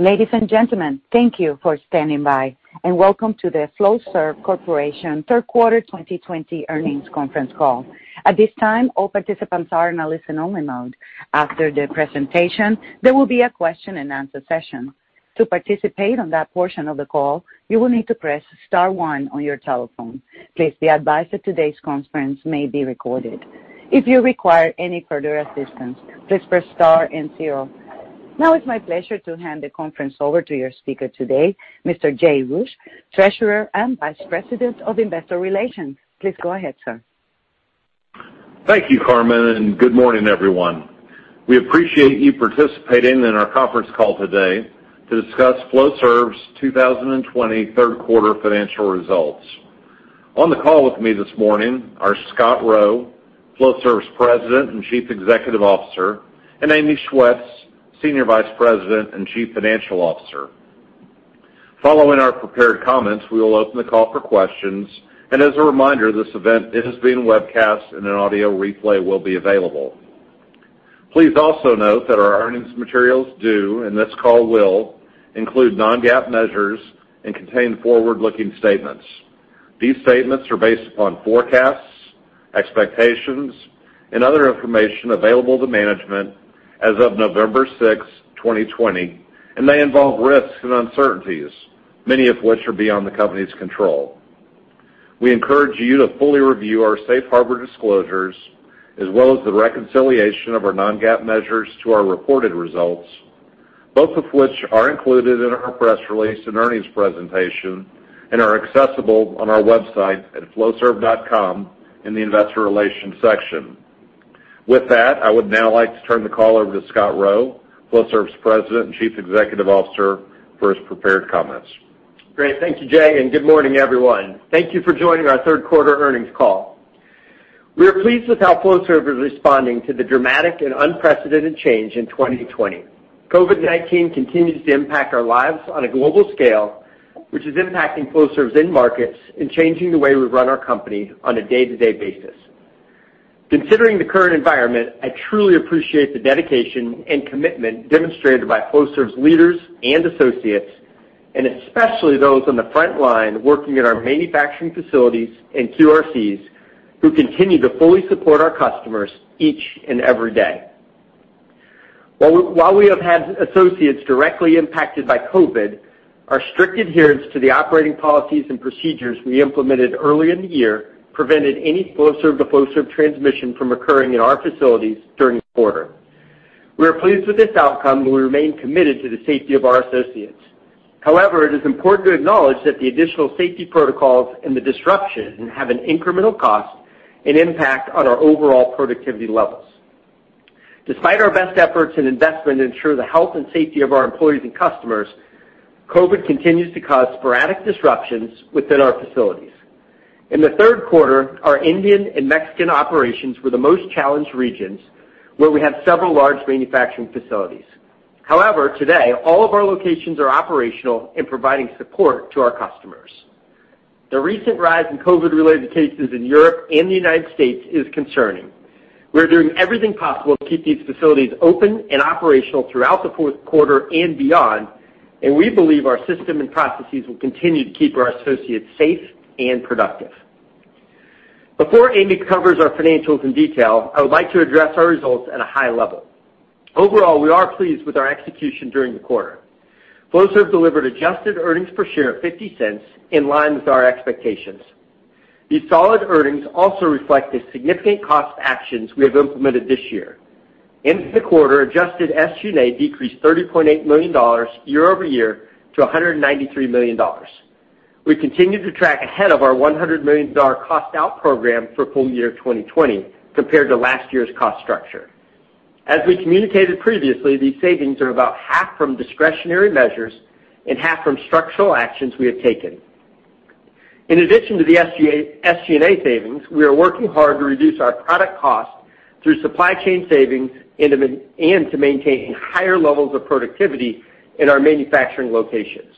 Ladies and gentlemen, thank you for standing by and welcome to the Flowserve Corporation third quarter 2020 earnings conference call. At this time, all participants are in a listen-only mode. After the presentation, there will be a question and answer session. To participate on that portion of the call, you will need to press star one on your telephone. Please be advised that today's conference may be recorded. If you require any further assistance, please press star and zero. Now it's my pleasure to hand the conference over to your speaker today, Mr. Jay Roueche, Treasurer and Vice President of Investor Relations. Please go ahead, sir. Thank you, Carmen, and good morning, everyone. We appreciate you participating in our conference call today to discuss Flowserve's 2020 third quarter financial results. On the call with me this morning are Scott Rowe, Flowserve's President and Chief Executive Officer, and Amy Schwetz, Senior Vice President and Chief Financial Officer. Following our prepared comments, we will open the call for questions. As a reminder, this event is being webcast and an audio replay will be available. Please also note that our earnings materials do, and this call will, include non-GAAP measures and contain forward-looking statements. These statements are based upon forecasts, expectations, and other information available to management as of November 6, 2020, and they involve risks and uncertainties, many of which are beyond the company's control. We encourage you to fully review our safe harbor disclosures, as well as the reconciliation of our non-GAAP measures to our reported results, both of which are included in our press release and earnings presentation and are accessible on our website at flowserve.com in the investor relations section. With that, I would now like to turn the call over to Scott Rowe, Flowserve's President and Chief Executive Officer, for his prepared comments. Great. Thank you, Jay, good morning, everyone. Thank you for joining our third quarter earnings call. We are pleased with how Flowserve is responding to the dramatic and unprecedented change in 2020. COVID-19 continues to impact our lives on a global scale, which is impacting Flowserve's end markets and changing the way we run our company on a day-to-day basis. Considering the current environment, I truly appreciate the dedication and commitment demonstrated by Flowserve's leaders and associates, and especially those on the front line working at our manufacturing facilities and QRCs who continue to fully support our customers each and every day. While we have had associates directly impacted by COVID, our strict adherence to the operating policies and procedures we implemented early in the year prevented any Flowserve to Flowserve transmission from occurring in our facilities during the quarter. We are pleased with this outcome, and we remain committed to the safety of our associates. However, it is important to acknowledge that the additional safety protocols and the disruption have an incremental cost and impact on our overall productivity levels. Despite our best efforts and investment to ensure the health and safety of our employees and customers, COVID continues to cause sporadic disruptions within our facilities. In the third quarter, our Indian and Mexican operations were the most challenged regions, where we have several large manufacturing facilities. However, today, all of our locations are operational and providing support to our customers. The recent rise in COVID-related cases in Europe and the United States is concerning. We're doing everything possible to keep these facilities open and operational throughout the fourth quarter and beyond, and we believe our system and processes will continue to keep our associates safe and productive. Before Amy covers our financials in detail, I would like to address our results at a high level. Overall, we are pleased with our execution during the quarter. Flowserve delivered adjusted earnings per share of $0.50 in line with our expectations. These solid earnings also reflect the significant cost actions we have implemented this year. End of the quarter, adjusted SG&A decreased $30.8 million year-over-year to $193 million. We continue to track ahead of our $100 million cost out program for full year 2020 compared to last year's cost structure. As we communicated previously, these savings are about half from discretionary measures and half from structural actions we have taken. In addition to the SG&A savings, we are working hard to reduce our product cost through supply chain savings and to maintain higher levels of productivity in our manufacturing locations.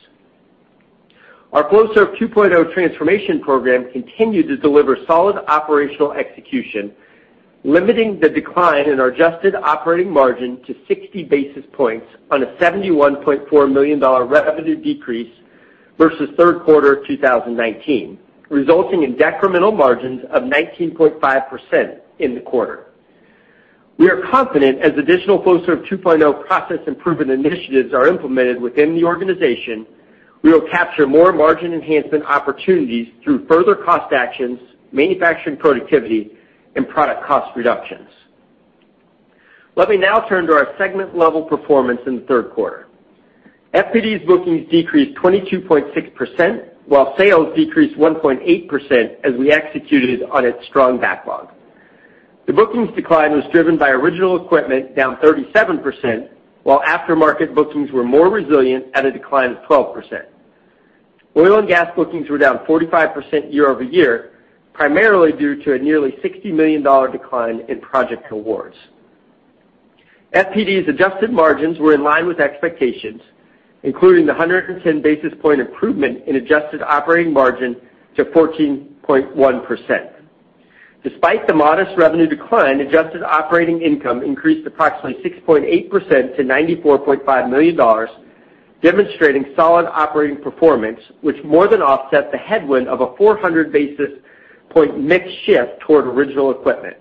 Our Flowserve 2.0 transformation program continued to deliver solid operational execution, limiting the decline in our adjusted operating margin to 60 basis points on a $71.4 million revenue decrease versus third quarter 2019, resulting in decremental margins of 19.5% in the quarter. We are confident as additional Flowserve 2.0 process improvement initiatives are implemented within the organization, we will capture more margin enhancement opportunities through further cost actions, manufacturing productivity, and product cost reductions. Let me now turn to our segment level performance in the third quarter. FPD's bookings decreased 22.6%, while sales decreased 1.8% as we executed on its strong backlog. The bookings decline was driven by original equipment down 37%, while aftermarket bookings were more resilient at a decline of 12%. Oil and gas bookings were down 45% year over year, primarily due to a nearly $60 million decline in project awards. FPD's adjusted margins were in line with expectations, including the 110 basis point improvement in adjusted operating margin to 14.1%. Despite the modest revenue decline, adjusted operating income increased approximately 6.8% to $94.5 million, demonstrating solid operating performance, which more than offset the headwind of a 400 basis point mix shift toward original equipment.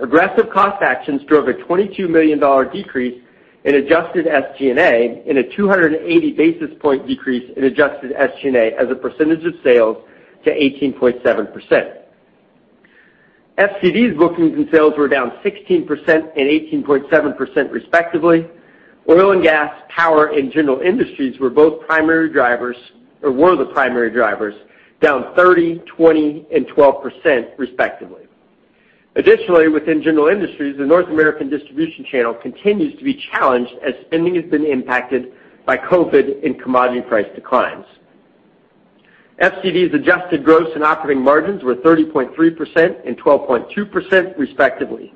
Aggressive cost actions drove a $22 million decrease in adjusted SG&A and a 280 basis point decrease in adjusted SG&A as a percentage of sales to 18.7%. FCD's bookings and sales were down 16% and 18.7% respectively. Oil and gas, power and general industries were the primary drivers, down 30, 20 and 12% respectively. Additionally, within general industries, the North American distribution channel continues to be challenged as spending has been impacted by COVID and commodity price declines. FCD's adjusted gross and operating margins were 30.3% and 12.2% respectively.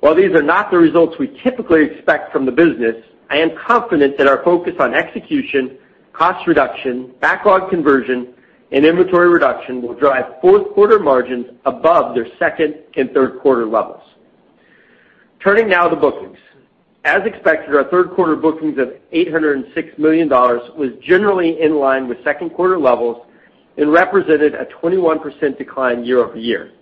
While these are not the results we typically expect from the business, I am confident that our focus on execution, cost reduction, backlog conversion, and inventory reduction will drive fourth quarter margins above their second and third quarter levels. Turning now to bookings. As expected, our third quarter bookings of $806 million was generally in line with second quarter levels and represented a 21% decline year-over-year.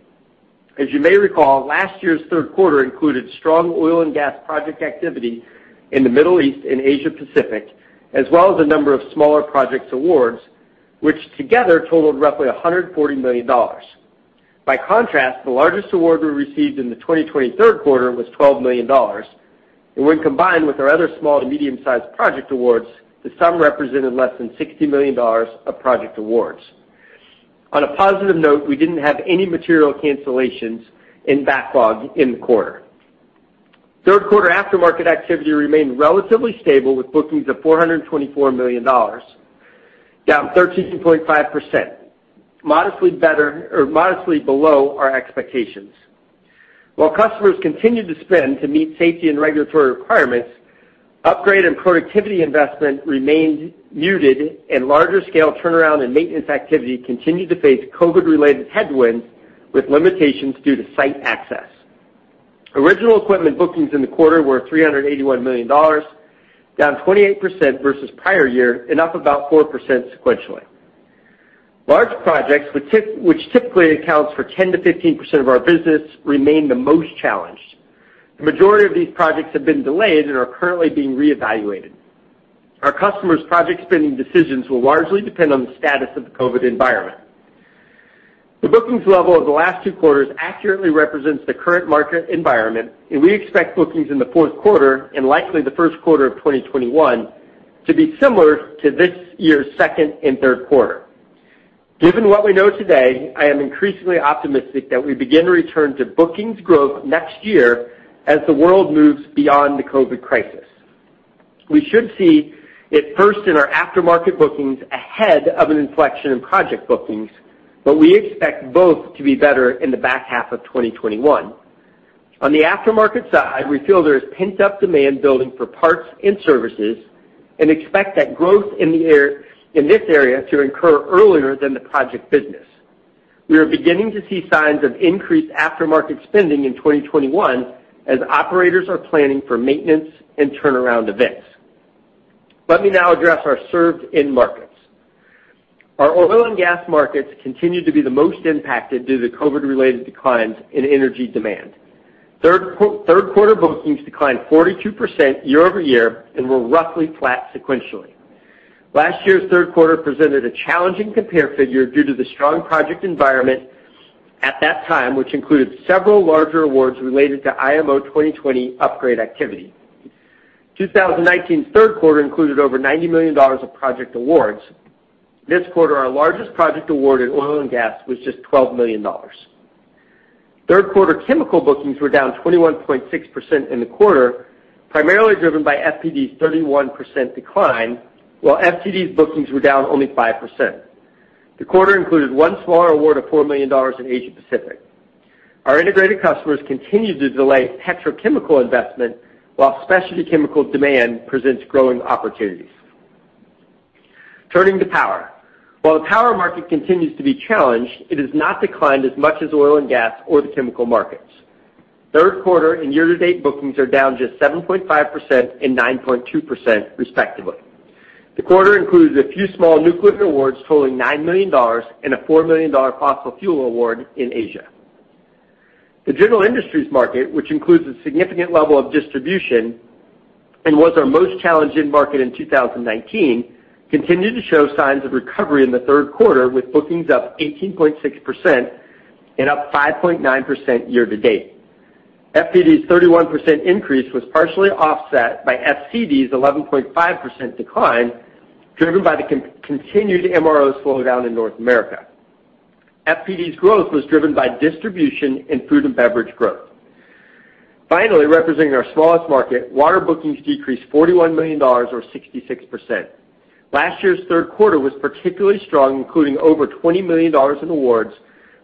As you may recall, last year's third quarter included strong oil and gas project activity in the Middle East and Asia Pacific, as well as a number of smaller projects awards, which together totaled roughly $140 million. By contrast, the largest award we received in the 2020 third quarter was $12 million, and when combined with our other small to medium sized project awards, the sum represented less than $60 million of project awards. On a positive note, we didn't have any material cancellations in backlog in the quarter. Third quarter aftermarket activity remained relatively stable, with bookings of $424 million, down 13.5%, modestly below our expectations. While customers continued to spend to meet safety and regulatory requirements, upgrade and productivity investment remained muted, and larger scale turnaround and maintenance activity continued to face COVID related headwinds with limitations due to site access. Original equipment bookings in the quarter were $381 million, down 28% versus prior year and up about 4% sequentially. Large projects, which typically accounts for 10%-15% of our business, remain the most challenged. The majority of these projects have been delayed and are currently being reevaluated. Our customers' project spending decisions will largely depend on the status of the COVID environment. The bookings level of the last two quarters accurately represents the current market environment, and we expect bookings in the fourth quarter and likely the first quarter of 2021 to be similar to this year's second and third quarter. Given what we know today, I am increasingly optimistic that we begin to return to bookings growth next year as the world moves beyond the COVID crisis. We should see it first in our aftermarket bookings ahead of an inflection in project bookings, but we expect both to be better in the back half of 2021. On the aftermarket side, we feel there is pent-up demand building for parts and services and expect that growth in this area to incur earlier than the project business. We are beginning to see signs of increased aftermarket spending in 2021 as operators are planning for maintenance and turnaround events. Let me now address our served end markets. Our oil and gas markets continue to be the most impacted due to COVID-related declines in energy demand. Third quarter bookings declined 42% year-over-year and were roughly flat sequentially. Last year's third quarter presented a challenging compare figure due to the strong project environment at that time, which included several larger awards related to IMO 2020 upgrade activity. 2019's third quarter included over $90 million of project awards. This quarter, our largest project award in oil and gas was just $12 million. Third quarter chemical bookings were down 21.6% in the quarter, primarily driven by FPD's 31% decline, while FCD's bookings were down only 5%. The quarter included one small award of $4 million in Asia Pacific. Our integrated customers continued to delay petrochemical investment, while specialty chemical demand presents growing opportunities. Turning to power. While the power market continues to be challenged, it has not declined as much as oil and gas or the chemical markets. Third quarter and year-to-date bookings are down just 7.5% and 9.2% respectively. The quarter includes a few small nuclear awards totaling $9 million and a $4 million fossil fuel award in Asia. The general industries market, which includes a significant level of distribution and was our most challenged end market in 2019, continued to show signs of recovery in the third quarter, with bookings up 18.6% and up 5.9% year-to-date. FPD's 31% increase was partially offset by FCD's 11.5% decline, driven by the continued MRO slowdown in North America. FPD's growth was driven by distribution in food and beverage growth. Finally, representing our smallest market, water bookings decreased $41 million or 66%. Last year's third quarter was particularly strong, including over $20 million in awards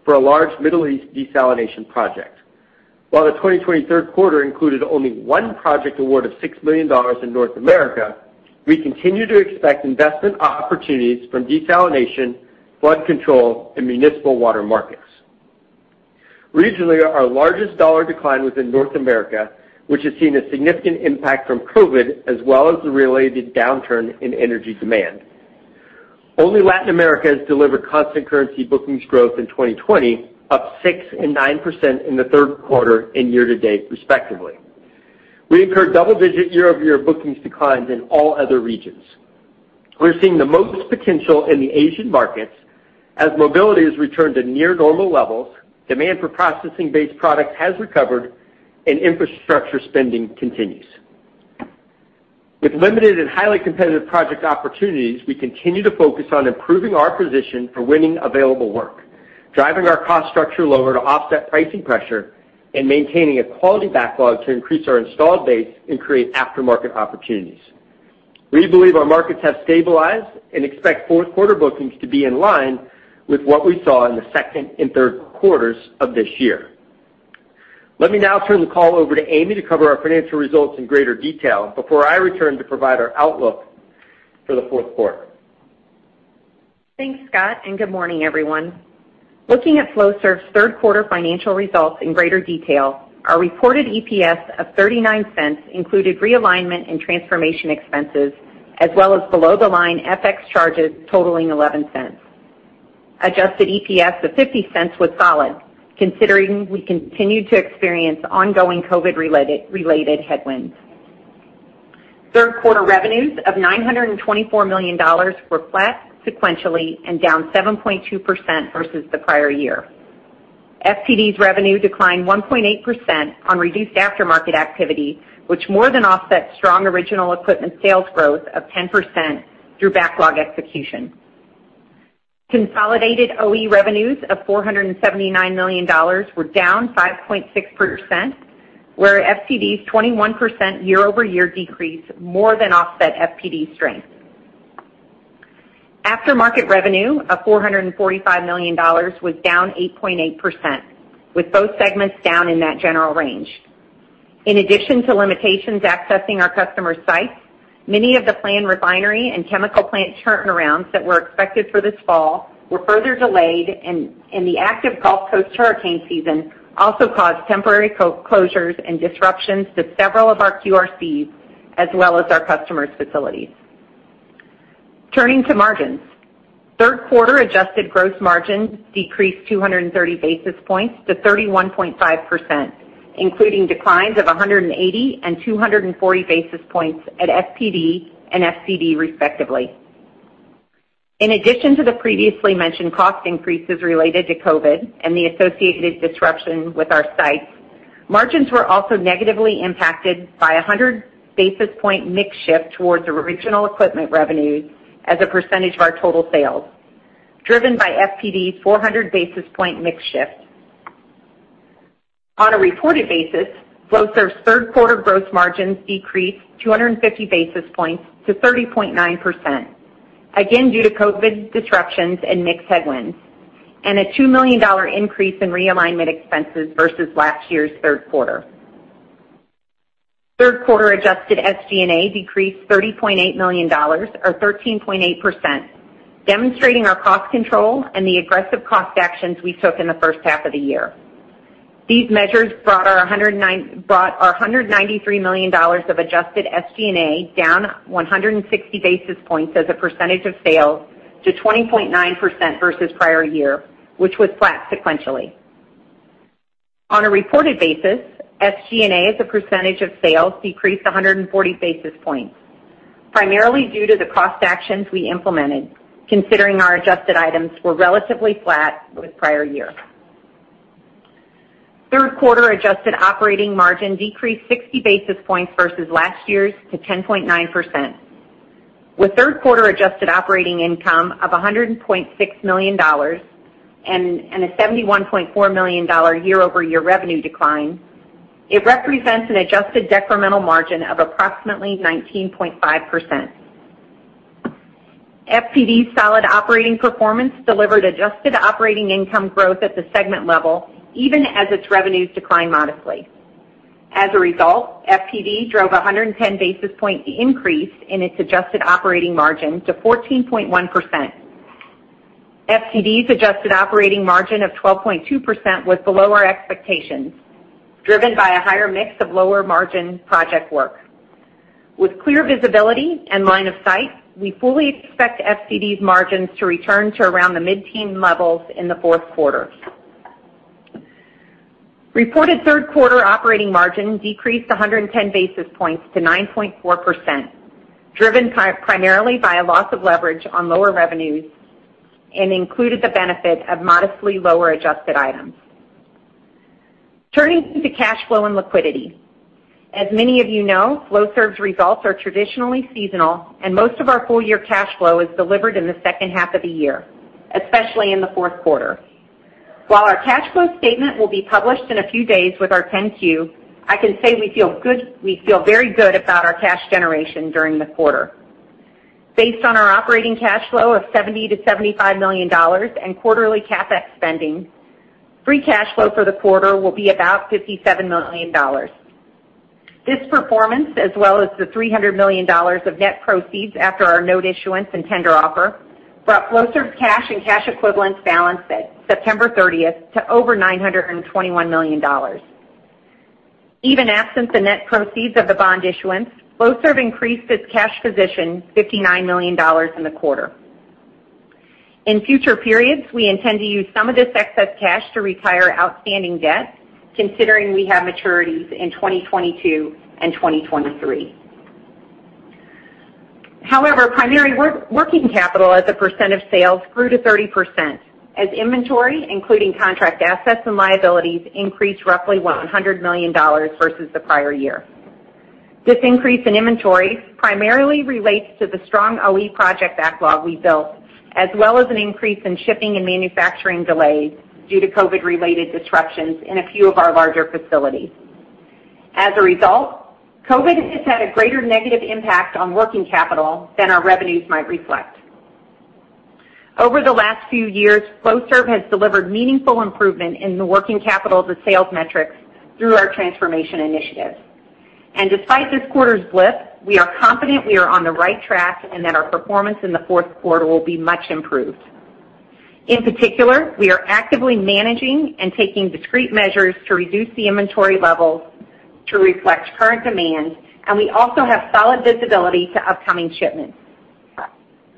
for a large Middle East desalination project. While the 2020 third quarter included only one project award of $6 million in North America, we continue to expect investment opportunities from desalination, flood control, and municipal water markets. Regionally, our largest dollar decline was in North America, which has seen a significant impact from COVID, as well as the related downturn in energy demand. Only Latin America has delivered constant currency bookings growth in 2020, up 6% and 9% in the third quarter and year to date, respectively. We incurred double-digit year-over-year bookings declines in all other regions. We're seeing the most potential in the Asian markets as mobility has returned to near normal levels, demand for processing-based products has recovered, and infrastructure spending continues. With limited and highly competitive project opportunities, we continue to focus on improving our position for winning available work, driving our cost structure lower to offset pricing pressure, and maintaining a quality backlog to increase our installed base and create aftermarket opportunities. We believe our markets have stabilized and expect fourth quarter bookings to be in line with what we saw in the second and third quarters of this year. Let me now turn the call over to Amy to cover our financial results in greater detail before I return to provide our outlook for the fourth quarter. Thanks, Scott. Good morning, everyone. Looking at Flowserve's third quarter financial results in greater detail, our reported EPS of $0.39 included realignment and transformation expenses, as well as below the line FX charges totaling $0.11. Adjusted EPS of $0.50 was solid, considering we continued to experience ongoing COVID-related headwinds. Third quarter revenues of $924 million were flat sequentially and down 7.2% versus the prior year. FPD's revenue declined 1.8% on reduced aftermarket activity, which more than offset strong original equipment sales growth of 10% through backlog execution. Consolidated OE revenues of $479 million were down 5.6%, where FCD's 21% year-over-year decrease more than offset FPD's strength. Aftermarket revenue of $445 million was down 8.8%, with both segments down in that general range. In addition to limitations accessing our customers' sites, many of the planned refinery and chemical plant turnarounds that were expected for this fall were further delayed, and the active Gulf Coast hurricane season also caused temporary closures and disruptions to several of our QRCs, as well as our customers' facilities. Turning to margins. Third quarter adjusted gross margins decreased 230 basis points to 31.5%, including declines of 180 and 240 basis points at FPD and FCD, respectively. In addition to the previously mentioned cost increases related to COVID and the associated disruption with our sites, margins were also negatively impacted by a 100-basis point mix shift towards original equipment revenues as a percentage of our total sales, driven by FPD's 400-basis point mix shift. On a reported basis, Flowserve's third quarter gross margins decreased 250 basis points to 30.9%, again, due to COVID disruptions and mix headwinds, and a $2 million increase in realignment expenses versus last year's third quarter. Third quarter adjusted SG&A decreased $30.8 million or 13.8%, demonstrating our cost control and the aggressive cost actions we took in the first half of the year. These measures brought our $193 million of adjusted SG&A down 160 basis points as a percentage of sales to 20.9% versus prior year, which was flat sequentially. On a reported basis, SG&A as a percentage of sales decreased 140 basis points, primarily due to the cost actions we implemented, considering our adjusted items were relatively flat with prior year. Third quarter adjusted operating margin decreased 60 basis points versus last year's to 10.9%, with third quarter adjusted operating income of $100.6 million and a $71.4 million year-over-year revenue decline. It represents an adjusted decremental margin of approximately 19.5%. FPD's solid operating performance delivered adjusted operating income growth at the segment level, even as its revenues declined modestly. As a result, FPD drove a 110-basis point increase in its adjusted operating margin to 14.1%. FCD's adjusted operating margin of 12.2% was below our expectations, driven by a higher mix of lower margin project work. With clear visibility and line of sight, we fully expect FCD's margins to return to around the mid-teen levels in the fourth quarter. Reported third quarter operating margin decreased 110 basis points to 9.4%, driven primarily by a loss of leverage on lower revenues and included the benefit of modestly lower adjusted items. Turning to cash flow and liquidity. As many of you know, Flowserve's results are traditionally seasonal, and most of our full year cash flow is delivered in the second half of the year, especially in the fourth quarter. While our cash flow statement will be published in a few days with our 10-Q, I can say we feel very good about our cash generation during the quarter. Based on our operating cash flow of $70 million-$75 million and quarterly CapEx spending, free cash flow for the quarter will be about $57 million. This performance, as well as the $300 million of net proceeds after our note issuance and tender offer, brought Flowserve's cash and cash equivalents balance at September 30th to over $921 million. Even absent the net proceeds of the bond issuance, Flowserve increased its cash position $59 million in the quarter. In future periods, we intend to use some of this excess cash to retire outstanding debt, considering we have maturities in 2022 and 2023. Primary working capital as a percent of sales grew to 30%, as inventory, including contract assets and liabilities, increased roughly $100 million versus the prior year. This increase in inventory primarily relates to the strong OE project backlog we built, as well as an increase in shipping and manufacturing delays due to COVID-related disruptions in a few of our larger facilities. COVID has had a greater negative impact on working capital than our revenues might reflect. Over the last few years, Flowserve has delivered meaningful improvement in the working capital to sales metrics through our transformation initiatives. Despite this quarter's blip, we are confident we are on the right track and that our performance in the fourth quarter will be much improved. In particular, we are actively managing and taking discrete measures to reduce the inventory levels to reflect current demand, and we also have solid visibility to upcoming shipments.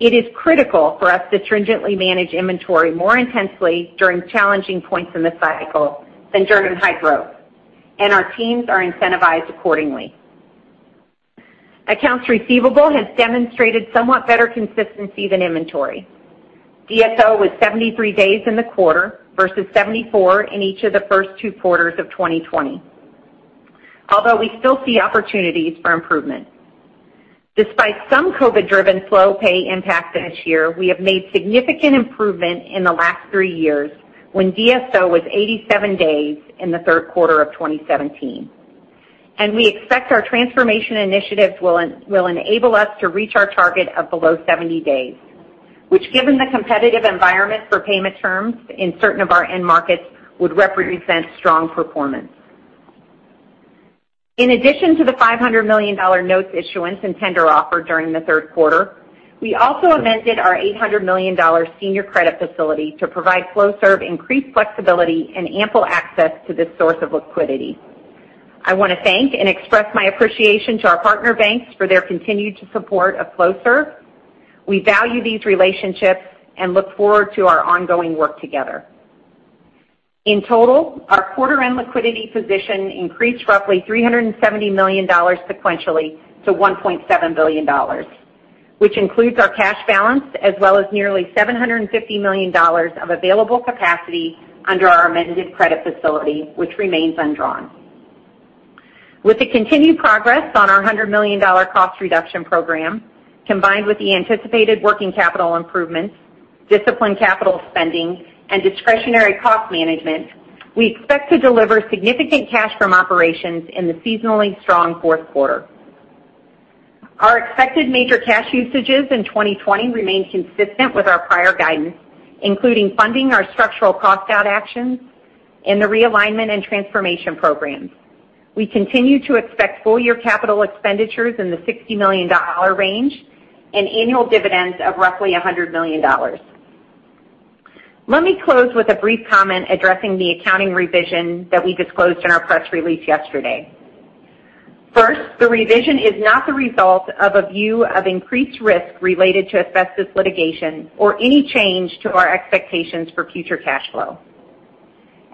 It is critical for us to stringently manage inventory more intensely during challenging points in the cycle than during high growth, and our teams are incentivized accordingly. Accounts receivable has demonstrated somewhat better consistency than inventory. DSO was 73 days in the quarter versus 74 in each of the first two quarters of 2020. We still see opportunities for improvement. Despite some COVID-driven slow pay impact this year, we have made significant improvement in the last three years, when DSO was 87 days in the third quarter of 2017. We expect our transformation initiatives will enable us to reach our target of below 70 days, which given the competitive environment for payment terms in certain of our end markets, would represent strong performance. In addition to the $500 million notes issuance and tender offer during the third quarter, we also amended our $800 million senior credit facility to provide Flowserve increased flexibility and ample access to this source of liquidity. I want to thank and express my appreciation to our partner banks for their continued support of Flowserve. We value these relationships and look forward to our ongoing work together. In total, our quarter-end liquidity position increased roughly $370 million sequentially to $1.7 billion, which includes our cash balance as well as nearly $750 million of available capacity under our amended credit facility, which remains undrawn. With the continued progress on our $100 million cost reduction program, combined with the anticipated working capital improvements, disciplined capital spending, and discretionary cost management, we expect to deliver significant cash from operations in the seasonally strong fourth quarter. Our expected major cash usages in 2020 remain consistent with our prior guidance, including funding our structural cost-out actions and the realignment and transformation programs. We continue to expect full-year capital expenditures in the $60 million range and annual dividends of roughly $100 million. Let me close with a brief comment addressing the accounting revision that we disclosed in our press release yesterday. First, the revision is not the result of a view of increased risk related to asbestos litigation or any change to our expectations for future cash flow.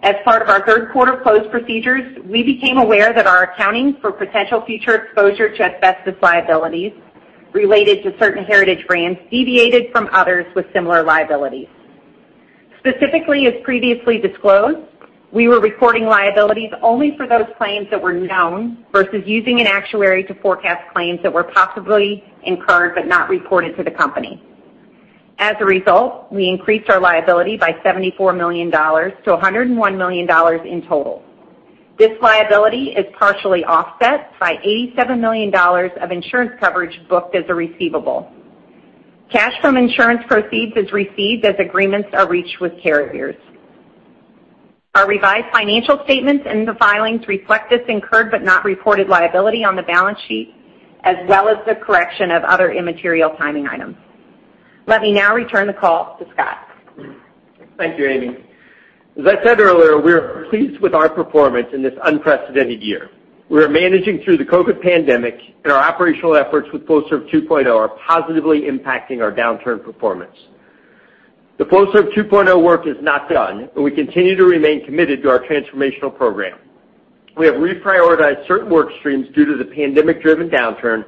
As part of our third quarter close procedures, we became aware that our accounting for potential future exposure to asbestos liabilities related to certain heritage brands deviated from others with similar liabilities. Specifically, as previously disclosed, we were recording liabilities only for those claims that were known versus using an actuary to forecast claims that were possibly incurred but not reported to the company. As a result, we increased our liability by $74 million-$101 million in total. This liability is partially offset by $87 million of insurance coverage booked as a receivable. Cash from insurance proceeds is received as agreements are reached with carriers. Our revised financial statements in the filings reflect this incurred but not reported liability on the balance sheet, as well as the correction of other immaterial timing items. Let me now return the call to Scott. Thank you, Amy. As I said earlier, we are pleased with our performance in this unprecedented year. We are managing through the COVID pandemic, and our operational efforts with Flowserve 2.0 are positively impacting our downturn performance. The Flowserve 2.0 work is not done, and we continue to remain committed to our transformational program. We have reprioritized certain work streams due to the pandemic-driven downturn,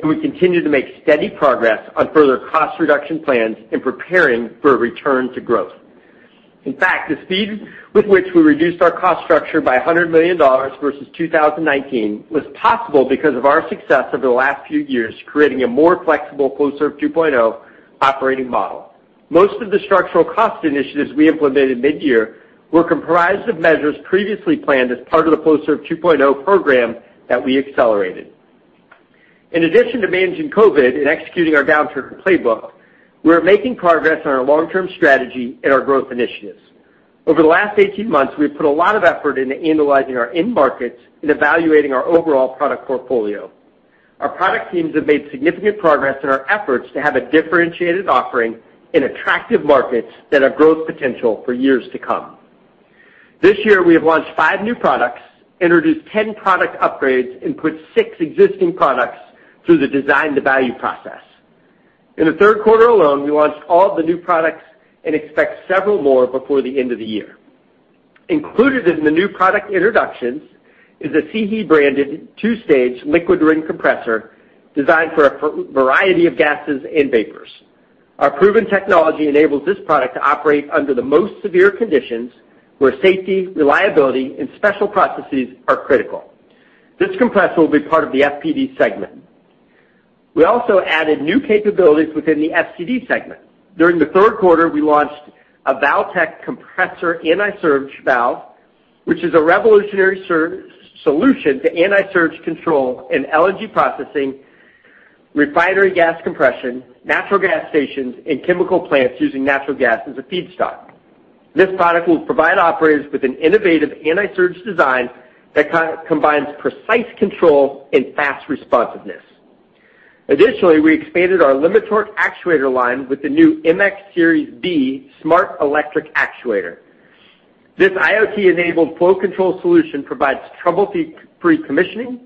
and we continue to make steady progress on further cost reduction plans in preparing for a return to growth. In fact, the speed with which we reduced our cost structure by $100 million versus 2019 was possible because of our success over the last few years creating a more flexible Flowserve 2.0 operating model. Most of the structural cost initiatives we implemented mid-year were comprised of measures previously planned as part of the Flowserve 2.0 program that we accelerated. In addition to managing COVID and executing our downturn playbook, we are making progress on our long-term strategy and our growth initiatives. Over the last 18 months, we've put a lot of effort into analyzing our end markets and evaluating our overall product portfolio. Our product teams have made significant progress in our efforts to have a differentiated offering in attractive markets that have growth potential for years to come. This year, we have launched five new products, introduced 10 product upgrades, and put six existing products through the design-to-value process. In the third quarter alone, we launched all the new products and expect several more before the end of the year. Included in the new product introductions is a SIHI-branded two-stage liquid ring compressor designed for a variety of gases and vapors. Our proven technology enables this product to operate under the most severe conditions, where safety, reliability, and special processes are critical. This compressor will be part of the FPD segment. We also added new capabilities within the FCD segment. During the third quarter, we launched a Valtek Compressor Anti-Surge Valve, which is a revolutionary solution to anti-surge control in LNG processing, refinery gas compression, natural gas stations, and chemical plants using natural gas as a feedstock. This product will provide operators with an innovative anti-surge design that combines precise control and fast responsiveness. Additionally, we expanded our Limitorque actuator line with the new MX Series B smart electric actuator. This IoT-enabled flow control solution provides trouble-free commissioning,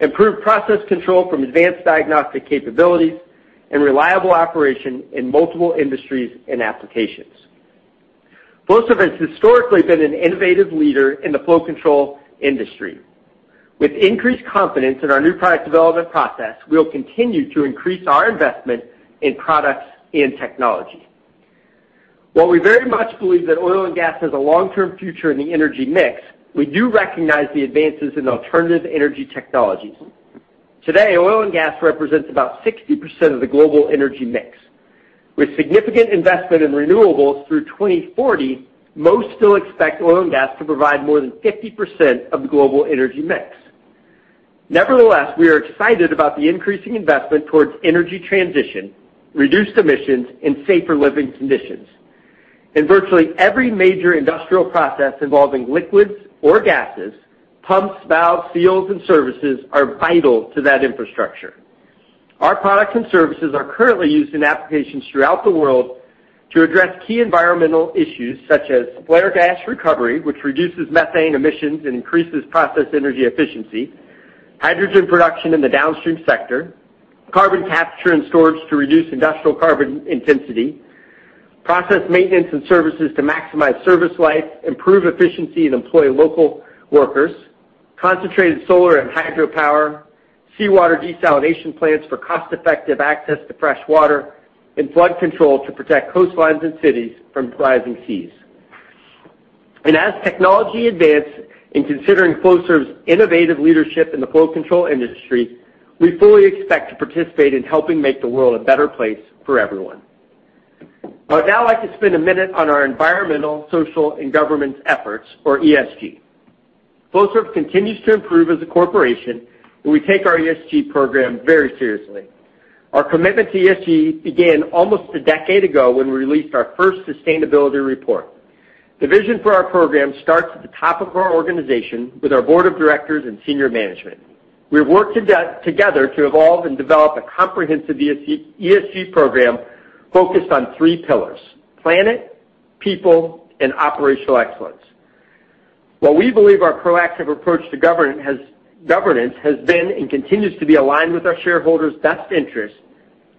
improved process control from advanced diagnostic capabilities, and reliable operation in multiple industries and applications. Flowserve has historically been an innovative leader in the flow control industry. With increased confidence in our new product development process, we will continue to increase our investment in products and technology. While we very much believe that oil and gas has a long-term future in the energy mix, we do recognize the advances in alternative energy technologies. Today, oil and gas represents about 60% of the global energy mix. With significant investment in renewables through 2040, most still expect oil and gas to provide more than 50% of the global energy mix. Nevertheless, we are excited about the increasing investment towards energy transition, reduced emissions, and safer living conditions. In virtually every major industrial process involving liquids or gases, pumps, valves, seals, and services are vital to that infrastructure. Our products and services are currently used in applications throughout the world to address key environmental issues such as flare gas recovery, which reduces methane emissions and increases process energy efficiency, hydrogen production in the downstream sector, carbon capture and storage to reduce industrial carbon intensity, process maintenance and services to maximize service life, improve efficiency, and employ local workers, concentrated solar and hydropower, seawater desalination plants for cost-effective access to fresh water, and flood control to protect coastlines and cities from rising seas. As technology advances, in considering Flowserve's innovative leadership in the flow control industry, we fully expect to participate in helping make the world a better place for everyone. I would now like to spend a minute on our environmental, social, and governance efforts, or ESG. Flowserve continues to improve as a corporation, and we take our ESG program very seriously. Our commitment to ESG began almost a decade ago when we released our first sustainability report. The vision for our program starts at the top of our organization with our board of directors and senior management. We have worked together to evolve and develop a comprehensive ESG program focused on three pillars: planet, people, and operational excellence. While we believe our proactive approach to governance has been and continues to be aligned with our shareholders' best interests,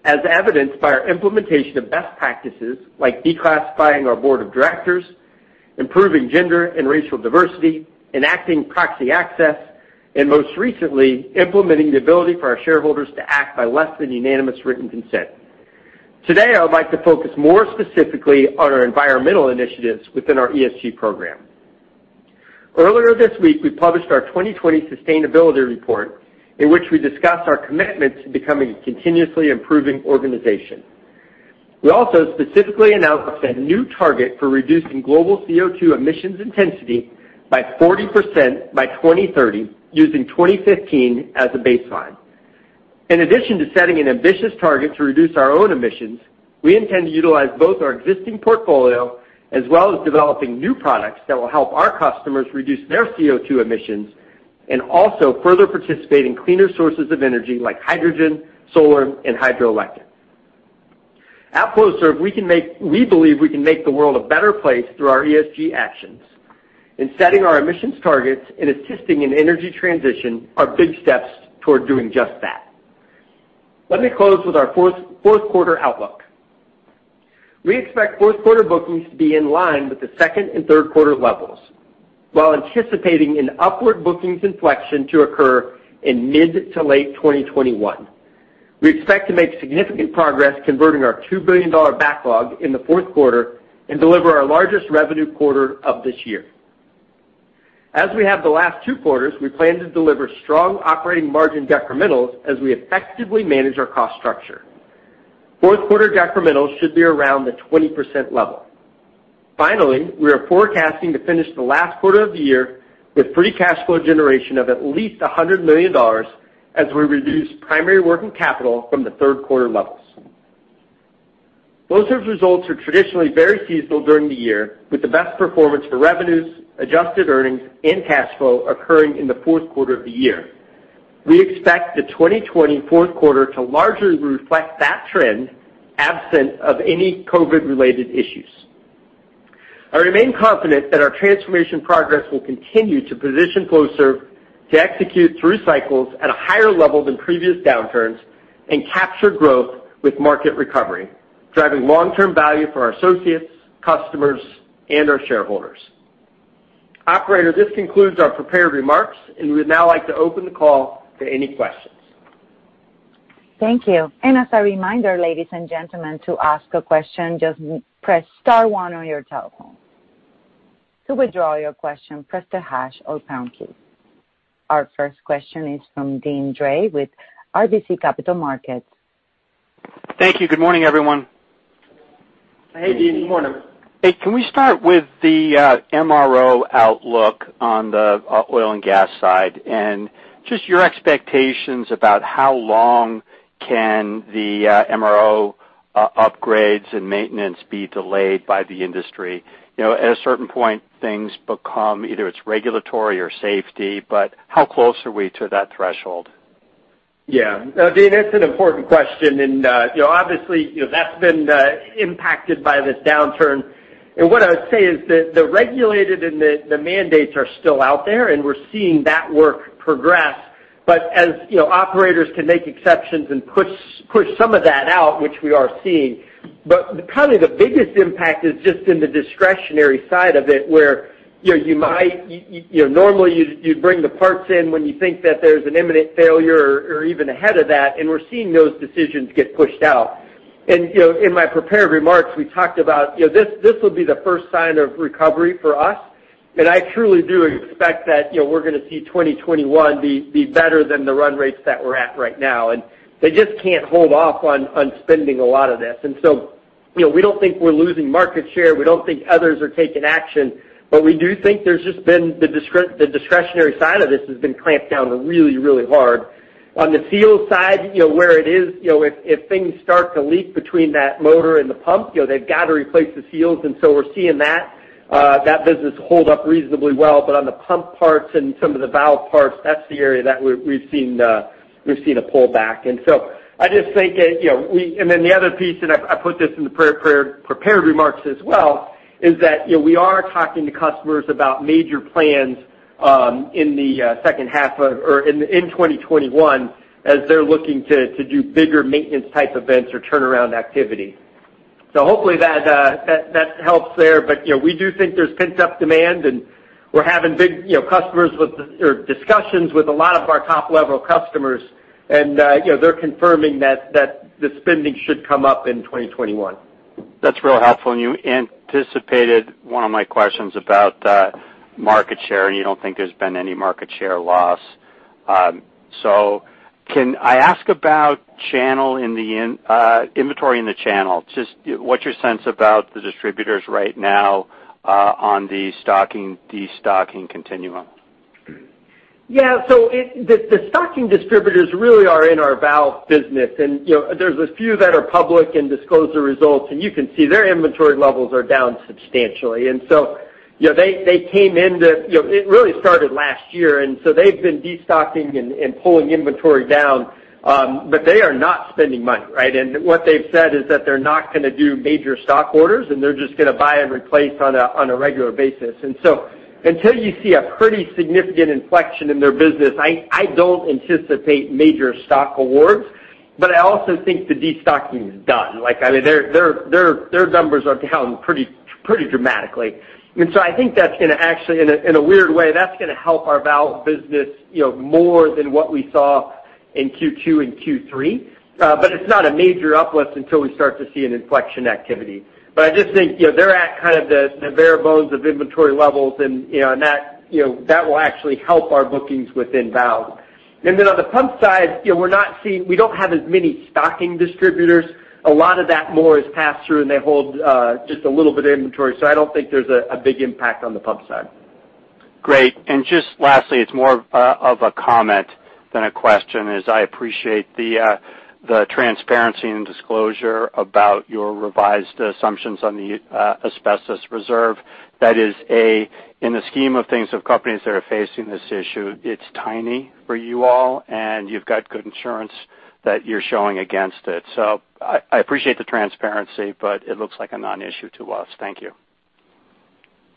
as evidenced by our implementation of best practices like declassifying our board of directors, improving gender and racial diversity, enacting proxy access, and most recently, implementing the ability for our shareholders to act by less than unanimous written consent. Today, I would like to focus more specifically on our environmental initiatives within our ESG program. Earlier this week, we published our 2020 sustainability report, in which we discussed our commitment to becoming a continuously improving organization. We also specifically announced a new target for reducing global CO2 emissions intensity by 40% by 2030, using 2015 as a baseline. In addition to setting an ambitious target to reduce our own emissions, we intend to utilize both our existing portfolio as well as developing new products that will help our customers reduce their CO2 emissions and also further participate in cleaner sources of energy like hydrogen, solar, and hydroelectric. At Flowserve, we believe we can make the world a better place through our ESG actions. In setting our emissions targets and assisting in energy transition are big steps toward doing just that. Let me close with our fourth quarter outlook. We expect fourth quarter bookings to be in line with the second and third quarter levels while anticipating an upward bookings inflection to occur in mid to late 2021. We expect to make significant progress converting our $2 billion backlog in the fourth quarter and deliver our largest revenue quarter of this year. As we have the last two quarters, we plan to deliver strong operating margin decrementals as we effectively manage our cost structure. Fourth quarter decrementals should be around the 20% level. Finally, we are forecasting to finish the last quarter of the year with free cash flow generation of at least $100 million as we reduce primary working capital from the third quarter levels. Flowserve's results are traditionally very seasonal during the year, with the best performance for revenues, adjusted earnings, and cash flow occurring in the fourth quarter of the year. We expect the 2020 fourth quarter to largely reflect that trend, absent of any COVID-related issues. I remain confident that our transformation progress will continue to position Flowserve to execute through cycles at a higher level than previous downturns and capture growth with market recovery, driving long-term value for our associates, customers, and our shareholders. Operator, this concludes our prepared remarks, and we'd now like to open the call to any questions. Thank you. As a reminder, ladies and gentlemen, to ask a question, just press star one on your telephone. To withdraw your question, press the hash or pound key. Our first question is from Deane Dray with RBC Capital Markets. Thank you. Good morning, everyone. Hey, Deane. Good morning. Hey, can we start with the MRO outlook on the oil and gas side and just your expectations about how long can the MRO upgrades and maintenance be delayed by the industry? At a certain point, things become either it's regulatory or safety, but how close are we to that threshold? Yeah. No, Deane, that's an important question. Obviously, that's been impacted by this downturn. What I would say is that the regulated and the mandates are still out there, and we're seeing that work progress. As operators can make exceptions and push some of that out, which we are seeing. Probably the biggest impact is just in the discretionary side of it, where normally you'd bring the parts in when you think that there's an imminent failure or even ahead of that, and we're seeing those decisions get pushed out. In my prepared remarks, we talked about this will be the first sign of recovery for us, and I truly do expect that we're going to see 2021 be better than the run rates that we're at right now, and they just can't hold off on spending a lot of this. We don't think we're losing market share, we don't think others are taking action, but we do think the discretionary side of this has been clamped down really, really hard. On the seal side, if things start to leak between that motor and the pump, they've got to replace the seals. We're seeing that business hold up reasonably well. On the pump parts and some of the valve parts, that's the area that we've seen a pullback. The other piece, and I put this in the prepared remarks as well, is that, we are talking to customers about major plans in 2021 as they're looking to do bigger maintenance type events or turnaround activity. Hopefully that helps there, but we do think there's pent-up demand, and we're having big discussions with a lot of our top-level customers, and they're confirming that the spending should come up in 2021. That's real helpful. You anticipated one of my questions about market share, and you don't think there's been any market share loss. Can I ask about inventory in the channel? Just what's your sense about the distributors right now on the stocking, de-stocking continuum? Yeah. The stocking distributors really are in our valve business, and there's a few that are public and disclose their results, and you can see their inventory levels are down substantially. It really started last year, they've been de-stocking and pulling inventory down, they are not spending money, right? What they've said is that they're not going to do major stock orders, and they're just going to buy and replace on a regular basis. Until you see a pretty significant inflection in their business, I don't anticipate major stock awards, I also think the de-stocking is done. Their numbers are down pretty dramatically. I think that's going to actually, in a weird way, that's going to help our valve business more than what we saw in Q2 and Q3. It's not a major uplift until we start to see an inflection activity. I just think they're at kind of the bare bones of inventory levels, and that will actually help our bookings within valve. On the pump side, we don't have as many stocking distributors. A lot of that more is pass-through, and they hold just a little bit of inventory. I don't think there's a big impact on the pump side. Great. Just lastly, it's more of a comment than a question is I appreciate the transparency and disclosure about your revised assumptions on the asbestos reserve. That is a, in the scheme of things, of companies that are facing this issue, it's tiny for you all, and you've got good insurance that you're showing against it. I appreciate the transparency, but it looks like a non-issue to us. Thank you.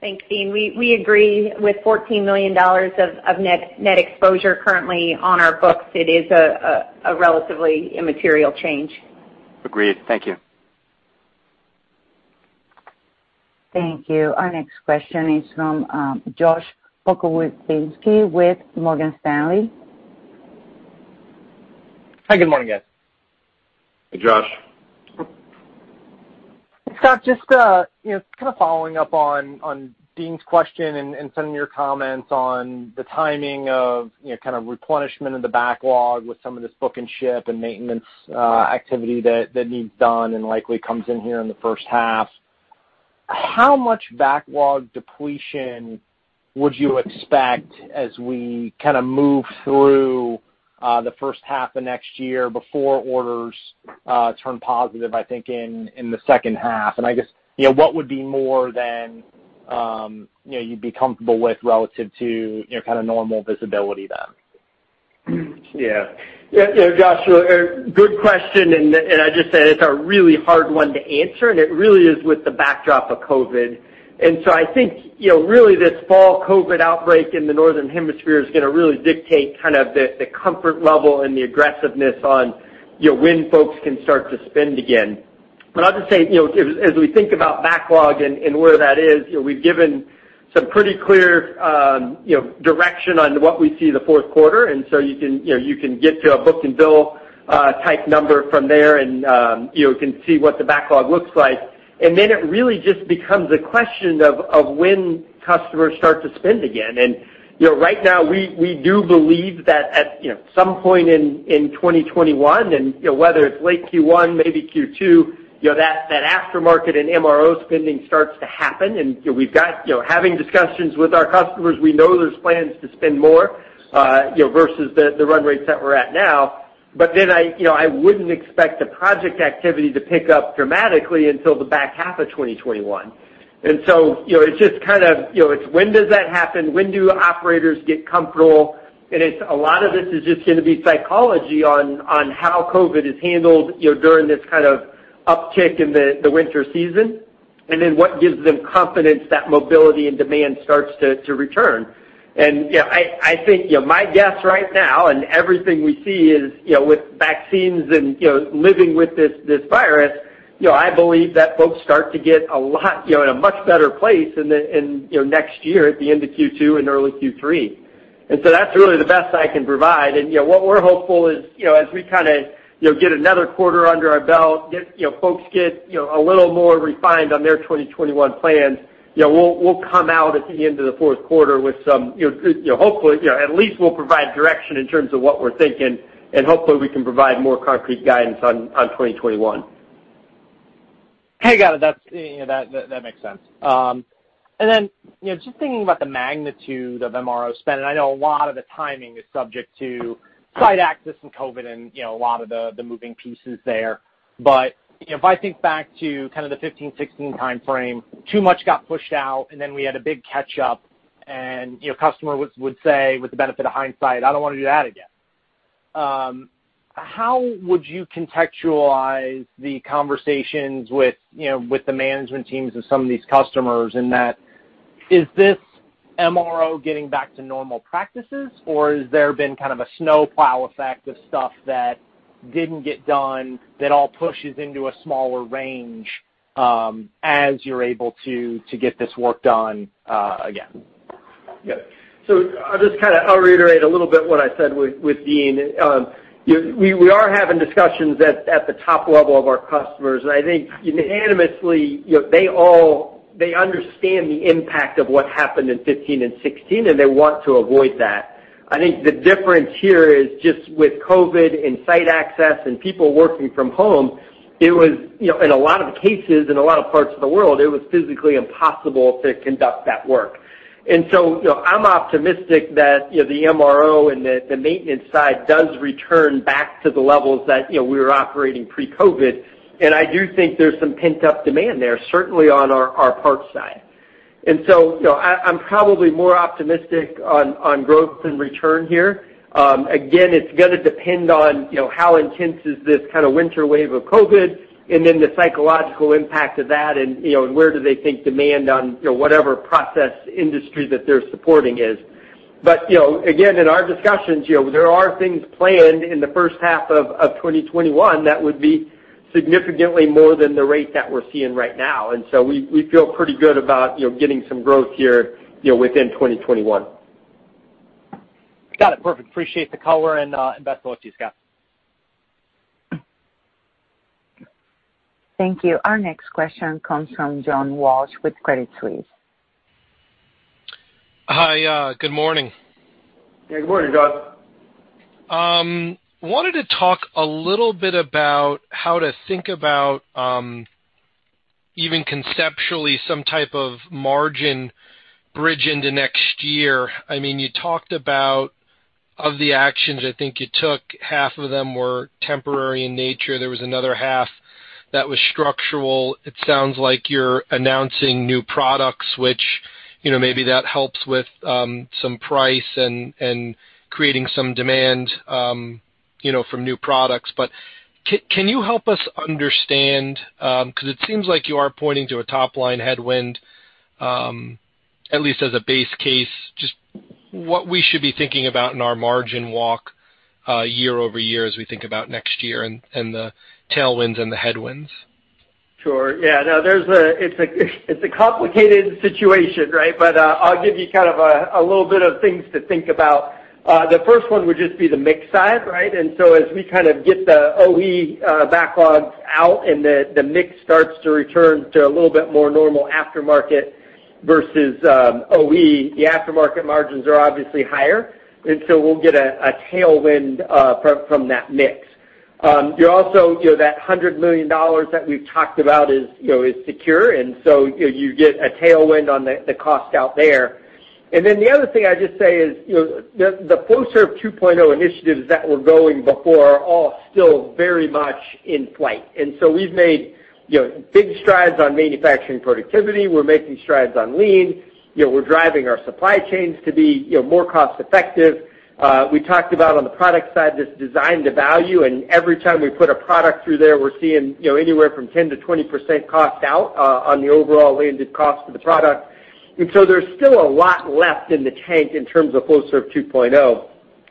Thanks, Deane. We agree with $14 million of net exposure currently on our books. It is a relatively immaterial change. Agreed. Thank you. Thank you. Our next question is from Josh Pokrzywinski with Morgan Stanley. Hi. Good morning, guys. Hey, Josh. Scott, just kind of following up on Deane's question and some of your comments on the timing of kind of replenishment of the backlog with some of this book and ship and maintenance activity that needs done and likely comes in here in the first half. How much backlog depletion would you expect as we kind of move through the first half of next year before orders turn positive, I think, in the second half? I guess, what would be more than you'd be comfortable with relative to kind of normal visibility then? Yeah. Josh, good question. I just said it's a really hard one to answer. It really is with the backdrop of COVID. I think really this fall COVID outbreak in the northern hemisphere is going to really dictate kind of the comfort level and the aggressiveness on when folks can start to spend again. I'll just say, as we think about backlog and where that is, we've given some pretty clear direction on what we see the fourth quarter. You can get to a book and bill type number from there and can see what the backlog looks like. Then it really just becomes a question of when customers start to spend again. Right now, we do believe that at some point in 2021. Whether it's late Q1, maybe Q2, that aftermarket and MRO spending starts to happen. We're having discussions with our customers. We know there's plans to spend more versus the run rates that we're at now. I wouldn't expect the project activity to pick up dramatically until the back half of 2021. It's just kind of when does that happen? When do operators get comfortable? A lot of this is just going to be psychology on how COVID is handled during this kind of uptick in the winter season. What gives them confidence that mobility and demand starts to return. I think my guess right now and everything we see is with vaccines and living with this virus, I believe that folks start to get in a much better place in next year at the end of Q2 and early Q3. That's really the best I can provide. What we're hopeful is, as we kind of get another quarter under our belt, folks get a little more refined on their 2021 plans, we'll come out at the end of the fourth quarter with some, hopefully, at least we'll provide direction in terms of what we're thinking, and hopefully we can provide more concrete guidance on 2021. Okay, got it. That makes sense. Just thinking about the magnitude of MRO spend, I know a lot of the timing is subject to site access and COVID and a lot of the moving pieces there. If I think back to kind of the 2015, 2016 timeframe, too much got pushed out, and then we had a big catch-up, and a customer would say, with the benefit of hindsight, "I don't want to do that again." How would you contextualize the conversations with the management teams of some of these customers in that is this MRO getting back to normal practices, or has there been kind of a snowplow effect of stuff that didn't get done that all pushes into a smaller range as you're able to get this work done again? I'll reiterate a little bit what I said with Deane. We are having discussions at the top level of our customers, and I think unanimously they understand the impact of what happened in 2015 and 2016, and they want to avoid that. I think the difference here is just with COVID and site access and people working from home, in a lot of cases, in a lot of parts of the world, it was physically impossible to conduct that work. I'm optimistic that the MRO and the maintenance side does return back to the levels that we were operating pre-COVID, and I do think there's some pent-up demand there, certainly on our parts side. I'm probably more optimistic on growth and return here. It's going to depend on how intense is this kind of winter wave of COVID and then the psychological impact of that and where do they think demand on whatever process industry that they're supporting is. Again, in our discussions, there are things planned in the first half of 2021 that would be significantly more than the rate that we're seeing right now. We feel pretty good about getting some growth here within 2021. Got it. Perfect. Appreciate the color and best of luck to you, Scott. Thank you. Our next question comes from John Walsh with Credit Suisse. Hi. Good morning. Good morning, John. Wanted to talk a little bit about how to think about even conceptually some type of margin bridge into next year. I mean, you talked about of the actions I think you took, half of them were temporary in nature. There was another half that was structural. It sounds like you're announcing new products, which maybe that helps with some price and creating some demand from new products. Can you help us understand, because it seems like you are pointing to a top-line headwind, at least as a base case, just what we should be thinking about in our margin walk year-over-year as we think about next year and the tailwinds and the headwinds? Sure. Yeah, it's a complicated situation, right? I'll give you a little bit of things to think about. The first one would just be the mix side, right? As we get the OE backlogs out and the mix starts to return to a little bit more normal aftermarket versus OE, the aftermarket margins are obviously higher, and so we'll get a tailwind from that mix. Also, that $100 million that we've talked about is secure, and so you get a tailwind on the cost out there. The other thing I'd just say is, the Flowserve 2.0 initiatives that were going before are all still very much in flight. We've made big strides on manufacturing productivity. We're making strides on lean. We're driving our supply chains to be more cost effective. We talked about, on the product side, this design to value, and every time we put a product through there, we're seeing anywhere from 10%-20% cost out on the overall landed cost of the product. There's still a lot left in the tank in terms of Flowserve 2.0.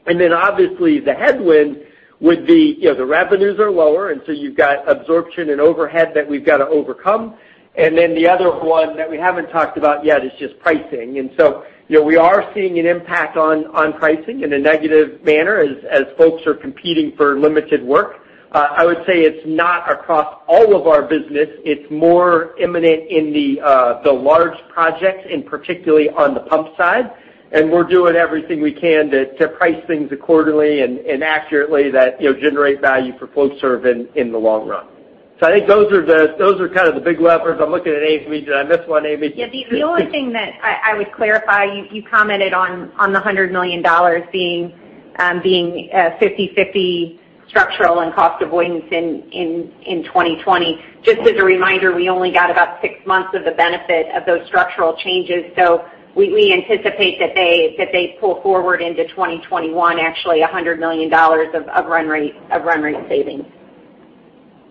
Obviously, the headwind would be the revenues are lower, and so you've got absorption and overhead that we've got to overcome. The other one that we haven't talked about yet is just pricing. We are seeing an impact on pricing in a negative manner as folks are competing for limited work. I would say it's not across all of our business. It's more imminent in the large projects, and particularly on the pump side. We're doing everything we can to price things accordingly and accurately that generate value for Flowserve in the long run. I think those are the big levers. I'm looking at Amy. Did I miss one, Amy? Yeah. The only thing that I would clarify, you commented on the $100 million being 50/50 structural and cost avoidance in 2020. Just as a reminder, we only got about six months of the benefit of those structural changes. We anticipate that they pull forward into 2021, actually, $100 million of run rate savings.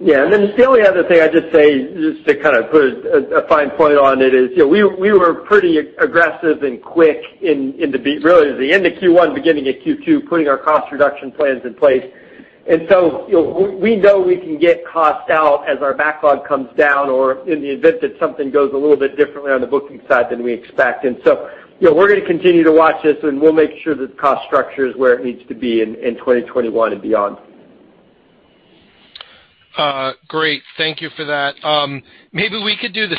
Yeah. The only other thing I'd just say, just to put a fine point on it, is we were pretty aggressive and quick in the, really, the end of Q1, beginning of Q2, putting our cost reduction plans in place. We know we can get cost out as our backlog comes down or in the event that something goes a little bit differently on the booking side than we expect. We're going to continue to watch this, and we'll make sure the cost structure is where it needs to be in 2021 and beyond. Great. Thank you for that. Maybe we could do the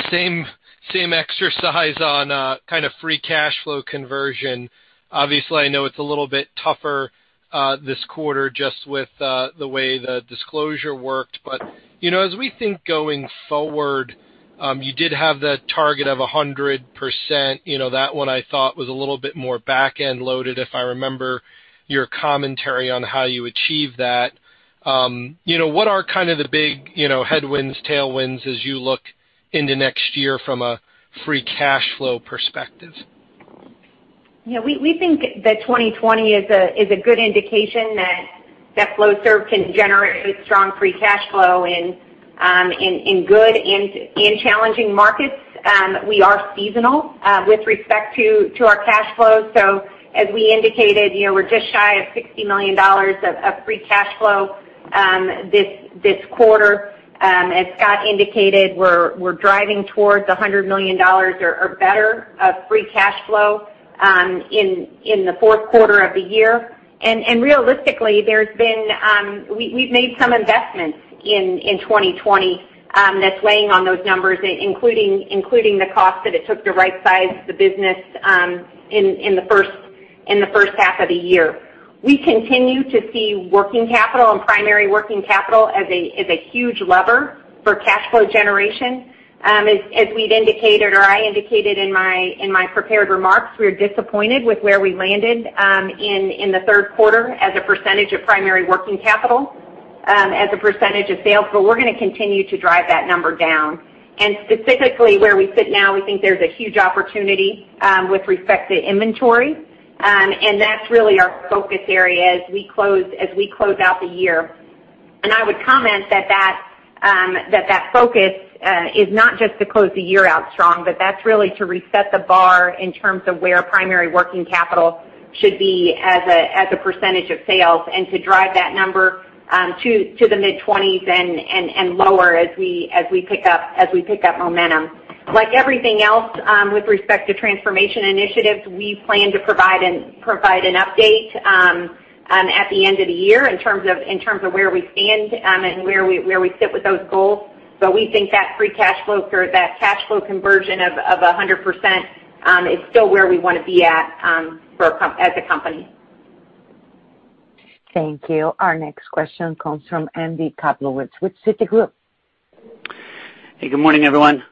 same exercise on free cash flow conversion. Obviously, I know it's a little bit tougher this quarter just with the way the disclosure worked. As we think going forward, you did have the target of 100%. That one I thought was a little bit more back-end loaded, if I remember your commentary on how you achieve that. What are the big headwinds, tailwinds, as you look into next year from a free cash flow perspective? Yeah. We think that 2020 is a good indication that Flowserve can generate strong free cash flow in good and challenging markets. We are seasonal with respect to our cash flows. As we indicated, we're just shy of $60 million of free cash flow this quarter. As Scott indicated, we're driving towards $100 million or better of free cash flow in the fourth quarter of the year. Realistically, we've made some investments in 2020 that's weighing on those numbers, including the cost that it took to right size the business in the first half of the year. We continue to see working capital and primary working capital as a huge lever for cash flow generation. As we've indicated, or I indicated in my prepared remarks, we are disappointed with where we landed in the third quarter as a percentage of primary working capital as a percentage of sales, but we're going to continue to drive that number down. Specifically, where we sit now, we think there's a huge opportunity with respect to inventory. That's really our focus area as we close out the year. I would comment that that focus is not just to close the year out strong, but that's really to reset the bar in terms of where primary working capital should be as a percentage of sales and to drive that number to the mid-20s and lower as we pick up momentum. Like everything else, with respect to transformation initiatives, we plan to provide an update at the end of the year in terms of where we stand and where we sit with those goals. We think that free cash flow, or that cash flow conversion of 100%, is still where we want to be at as a company. Thank you. Our next question comes from Andy Kaplowitz with Citigroup. Hey, good morning, everyone.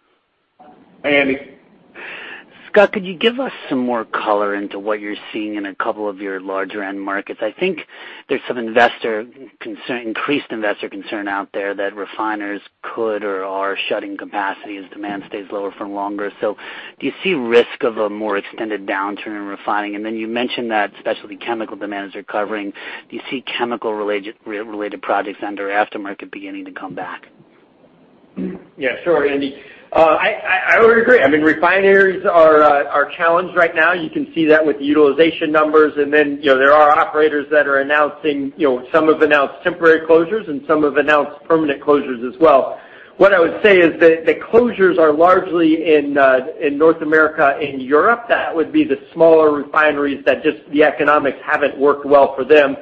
Hey, Andy. Scott, could you give us some more color into what you're seeing in a couple of your larger end markets? I think there's some increased investor concern out there that refiners could or are shutting capacity as demand stays lower for longer. Do you see risk of a more extended downturn in refining? You mentioned that specialty chemical demand is recovering. Do you see chemical-related projects under aftermarket beginning to come back? Yeah, sure, Andy. I would agree. Refineries are challenged right now. You can see that with utilization numbers, and then there are operators that are announcing, some have announced temporary closures, and some have announced permanent closures as well. What I would say is that the closures are largely in North America and Europe. That would be the smaller refineries that just the economics haven't worked well for them.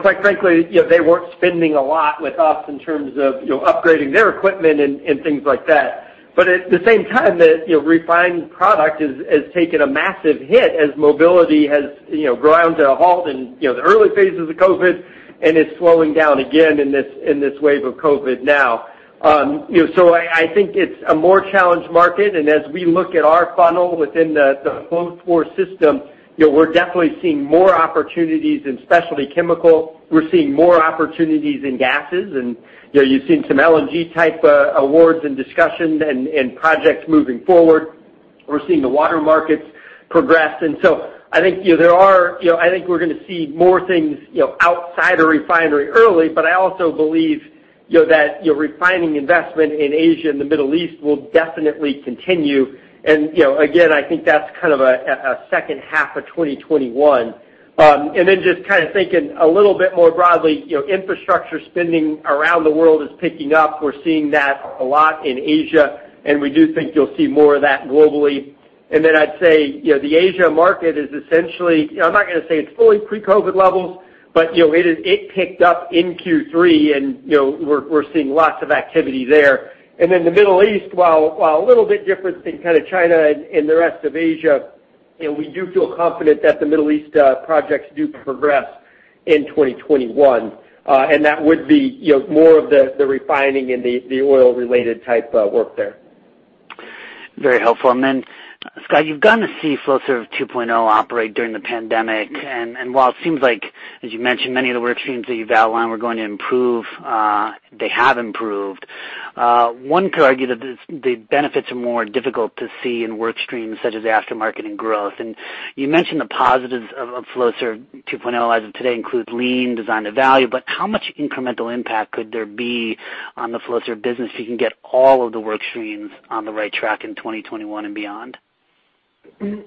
Quite frankly, they weren't spending a lot with us in terms of upgrading their equipment and things like that. At the same time, the refined product has taken a massive hit as mobility has ground to a halt in the early phases of COVID, and it's slowing down again in this wave of COVID now. I think it's a more challenged market, and as we look at our funnel within the Flowserve system, we're definitely seeing more opportunities in specialty chemical. We're seeing more opportunities in gases, and you've seen some LNG type awards and discussions and projects moving forward. We're seeing the water markets progress. I think we're going to see more things outside a refinery early, but I also believe that refining investment in Asia and the Middle East will definitely continue. I think that's kind of a second half of 2021. Just kind of thinking a little bit more broadly, infrastructure spending around the world is picking up. We're seeing that a lot in Asia, and we do think you'll see more of that globally. I'd say the Asia market is essentially, I'm not going to say it's fully pre-COVID levels, but it picked up in Q3 and we're seeing lots of activity there. The Middle East, while a little bit different than kind of China and the rest of Asia, we do feel confident that the Middle East projects do progress in 2021. That would be more of the refining and the oil related type work there. Very helpful. Scott, you've gotten to see Flowserve 2.0 operate during the pandemic. While it seems like, as you mentioned, many of the work streams that you've outlined were going to improve, they have improved. One could argue that the benefits are more difficult to see in work streams such as aftermarket and growth. You mentioned the positives of Flowserve 2.0 as of today include lean design to value, but how much incremental impact could there be on the Flowserve business if you can get all of the work streams on the right track in 2021 and beyond?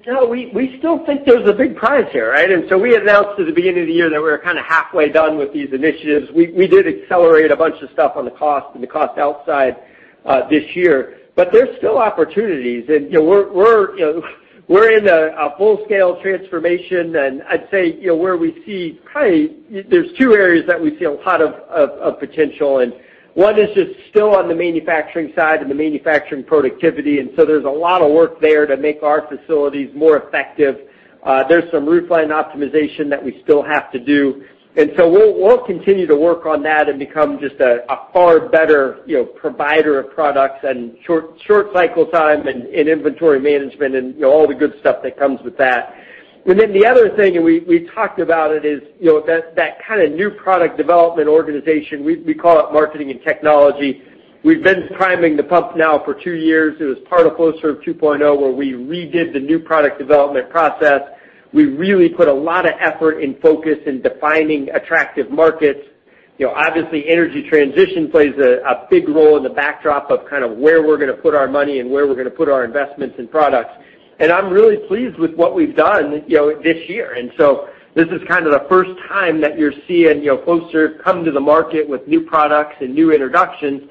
No, we still think there's a big prize here, right? We announced at the beginning of the year that we were kind of halfway done with these initiatives. We did accelerate a bunch of stuff on the cost and the cost out side this year. There's still opportunities. We're in a full scale transformation, and I'd say where we see probably there's two areas that we see a lot of potential, and one is just still on the manufacturing side and the manufacturing productivity. There's a lot of work there to make our facilities more effective. There's some roofline optimization that we still have to do. We'll continue to work on that and become just a far better provider of products and short cycle time and inventory management and all the good stuff that comes with that. The other thing, and we talked about it, is that kind of new product development organization. We call it marketing and technology. We've been priming the pump now for two years. It was part of Flowserve 2.0, where we redid the new product development process. We really put a lot of effort and focus in defining attractive markets. Obviously, energy transition plays a big role in the backdrop of kind of where we're going to put our money and where we're going to put our investments in products. I'm really pleased with what we've done this year. This is kind of the first time that you're seeing Flowserve come to the market with new products and new introductions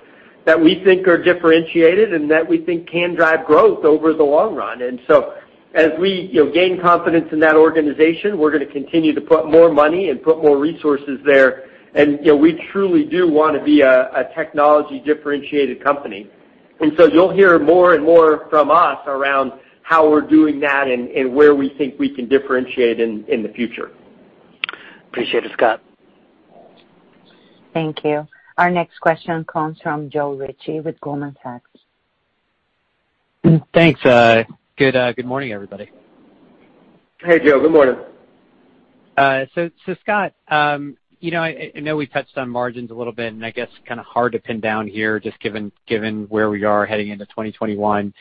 that we think are differentiated and that we think can drive growth over the long run. As we gain confidence in that organization, we're going to continue to put more money and put more resources there. We truly do want to be a technology differentiated company. You'll hear more and more from us around how we're doing that and where we think we can differentiate in the future. Appreciate it, Scott. Thank you. Our next question comes from Joe Ritchie with Goldman Sachs. Thanks. Good morning, everybody. Hey, Joe. Good morning. Scott, I know we've touched on margins a little bit, and I guess kind of hard to pin down here just given where we are heading into 2021.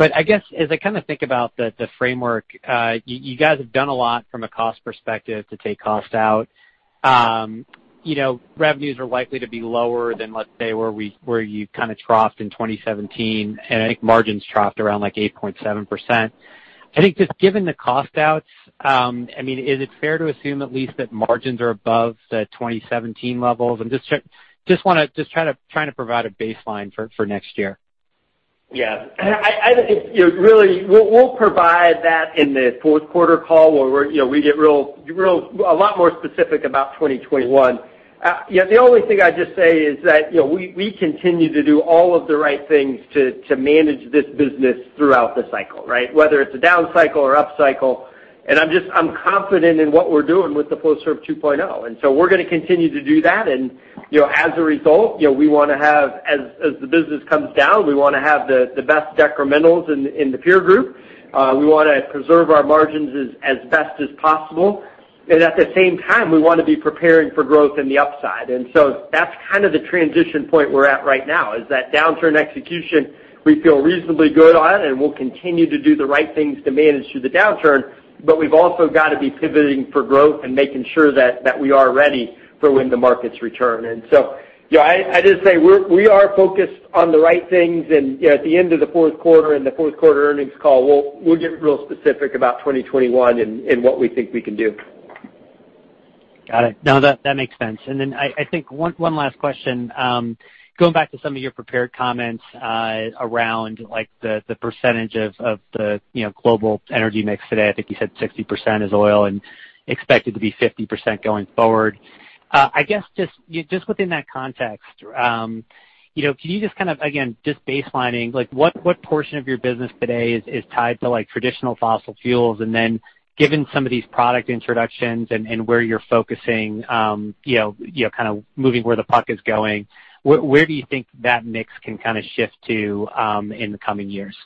I guess as I kind of think about the framework, you guys have done a lot from a cost perspective to take cost out. Revenues are likely to be lower than, let's say, where you kind of troughed in 2017, and I think margins troughed around like 8.7%. I think just given the cost outs, is it fair to assume at least that margins are above the 2017 levels? Just trying to provide a baseline for next year. Yeah. I think really we'll provide that in the fourth quarter call where we get a lot more specific about 2021. The only thing I'd just say is that we continue to do all of the right things to manage this business throughout the cycle, right? Whether it's a down cycle or up cycle. I'm confident in what we're doing with the Flowserve 2.0. We're going to continue to do that. As a result, as the business comes down, we want to have the best decrementals in the peer group. We want to preserve our margins as best as possible. At the same time, we want to be preparing for growth in the upside. That's kind of the transition point we're at right now is that downturn execution we feel reasonably good on, and we'll continue to do the right things to manage through the downturn. We've also got to be pivoting for growth and making sure that we are ready for when the markets return. I just say we are focused on the right things, and at the end of the fourth quarter and the fourth quarter earnings call, we'll get real specific about 2021 and what we think we can do. Got it. No, that makes sense. I think one last question. Going back to some of your prepared comments around the percentage of the global energy mix today, I think you said 60% is oil and expected to be 50% going forward. I guess, just within that context, can you just, again, just baselining, what portion of your business today is tied to traditional fossil fuels? Given some of these product introductions and where you're focusing, kind of moving where the puck is going, where do you think that mix can kind of shift to in the coming years?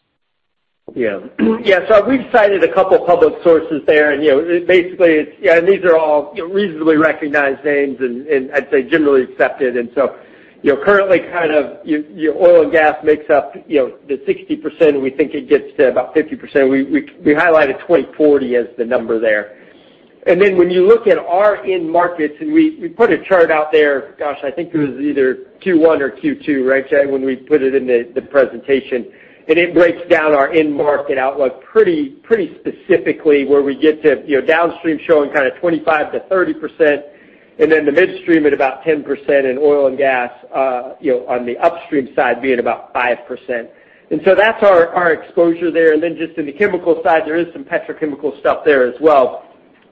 Yeah. Yeah. We've cited a couple public sources there. Basically, these are all reasonably recognized names and I'd say generally accepted. Currently, your oil and gas makes up the 60%, and we think it gets to about 50%. We highlighted 2040 as the number there. Then when you look at our end markets, we put a chart out there, gosh, I think it was either Q1 or Q2, right, Jay, when we put it in the presentation? It breaks down our end market outlook pretty specifically where we get to downstream showing kind of 25%-30%, then the midstream at about 10% in oil and gas, on the upstream side being about 5%. That's our exposure there. Then just in the chemical side, there is some petrochemical stuff there as well.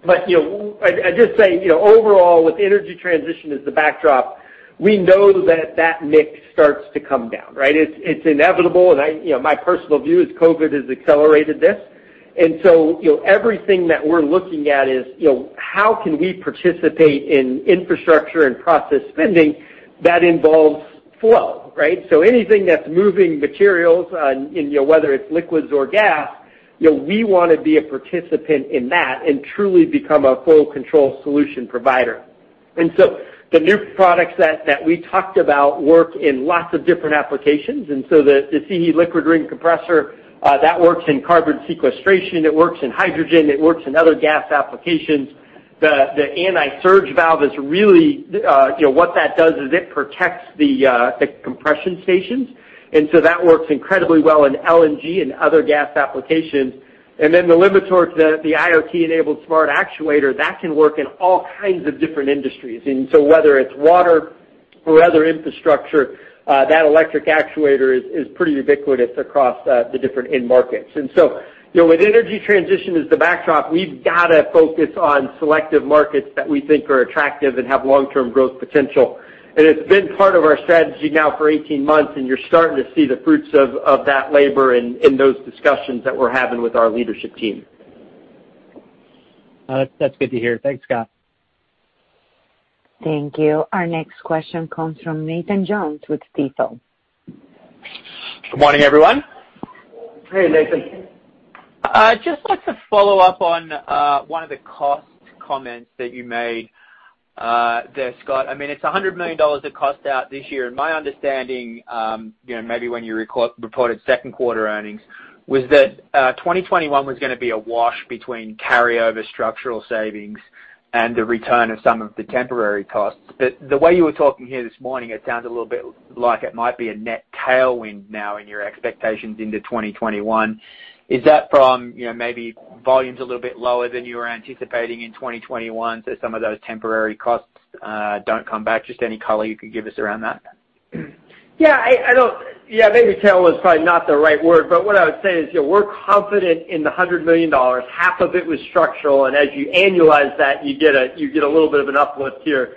I'd just say, overall, with energy transition as the backdrop, we know that that mix starts to come down, right? It's inevitable, and my personal view is COVID has accelerated this. Everything that we're looking at is how can we participate in infrastructure and process spending that involves flow, right? Anything that's moving materials, whether it's liquids or gas, we want to be a participant in that and truly become a flow control solution provider. The new products that we talked about work in lots of different applications, and so the SIHI liquid ring compressor, that works in carbon sequestration, it works in hydrogen, it works in other gas applications. The anti-surge valve is really what that does is it protects the compression stations, and so that works incredibly well in LNG and other gas applications. The Limitorque, the IoT-enabled smart actuator, that can work in all kinds of different industries. Whether it's water or other infrastructure, that electric actuator is pretty ubiquitous across the different end markets. With energy transition as the backdrop, we've got to focus on selective markets that we think are attractive and have long-term growth potential. It's been part of our strategy now for 18 months, and you're starting to see the fruits of that labor in those discussions that we're having with our leadership team. That's good to hear. Thanks, Scott. Thank you. Our next question comes from Nathan Jones with Stifel. Good morning, everyone. Hey, Nathan. I'd just like to follow up on one of the cost comments that you made there, Scott. It's $100 million of cost out this year. My understanding, maybe when you reported second quarter earnings, was that 2021 was going to be a wash between carryover structural savings and the return of some of the temporary costs. The way you were talking here this morning, it sounds a little bit like it might be a net tailwind now in your expectations into 2021. Is that from maybe volume's a little bit lower than you were anticipating in 2021, so some of those temporary costs don't come back? Just any color you could give us around that? Maybe tailwind is probably not the right word, what I would say is we're confident in the $100 million. Half of it was structural, as you annualize that, you get a little bit of an uplift here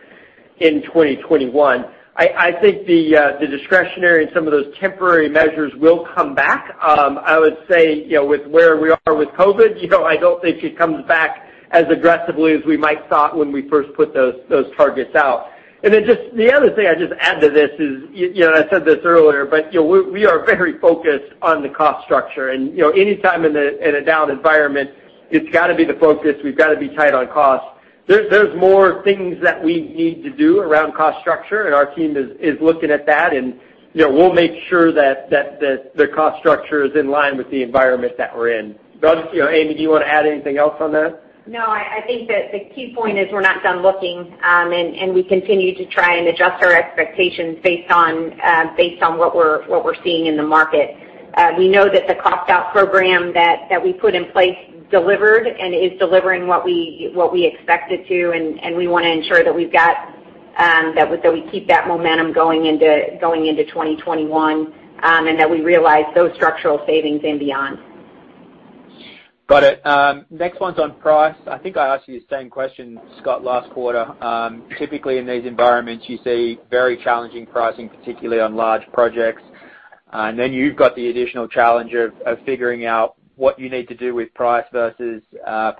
in 2021. I think the discretionary and some of those temporary measures will come back. I would say, with where we are with COVID, I don't think it comes back as aggressively as we might thought when we first put those targets out. The other thing I'd just add to this is, I said this earlier, we are very focused on the cost structure. Anytime in a down environment, it's got to be the focus. We've got to be tight on cost. There's more things that we need to do around cost structure, and our team is looking at that, and we'll make sure that the cost structure is in line with the environment that we're in. Amy, do you want to add anything else on that? No, I think that the key point is we're not done looking, and we continue to try and adjust our expectations based on what we're seeing in the market. We know that the cost out program that we put in place delivered and is delivering what we expect it to, and we want to ensure that we keep that momentum going into 2021, and that we realize those structural savings and beyond. Got it. Next one's on price. I think I asked you the same question, Scott, last quarter. Typically in these environments, you see very challenging pricing, particularly on large projects. Then you've got the additional challenge of figuring out what you need to do with price versus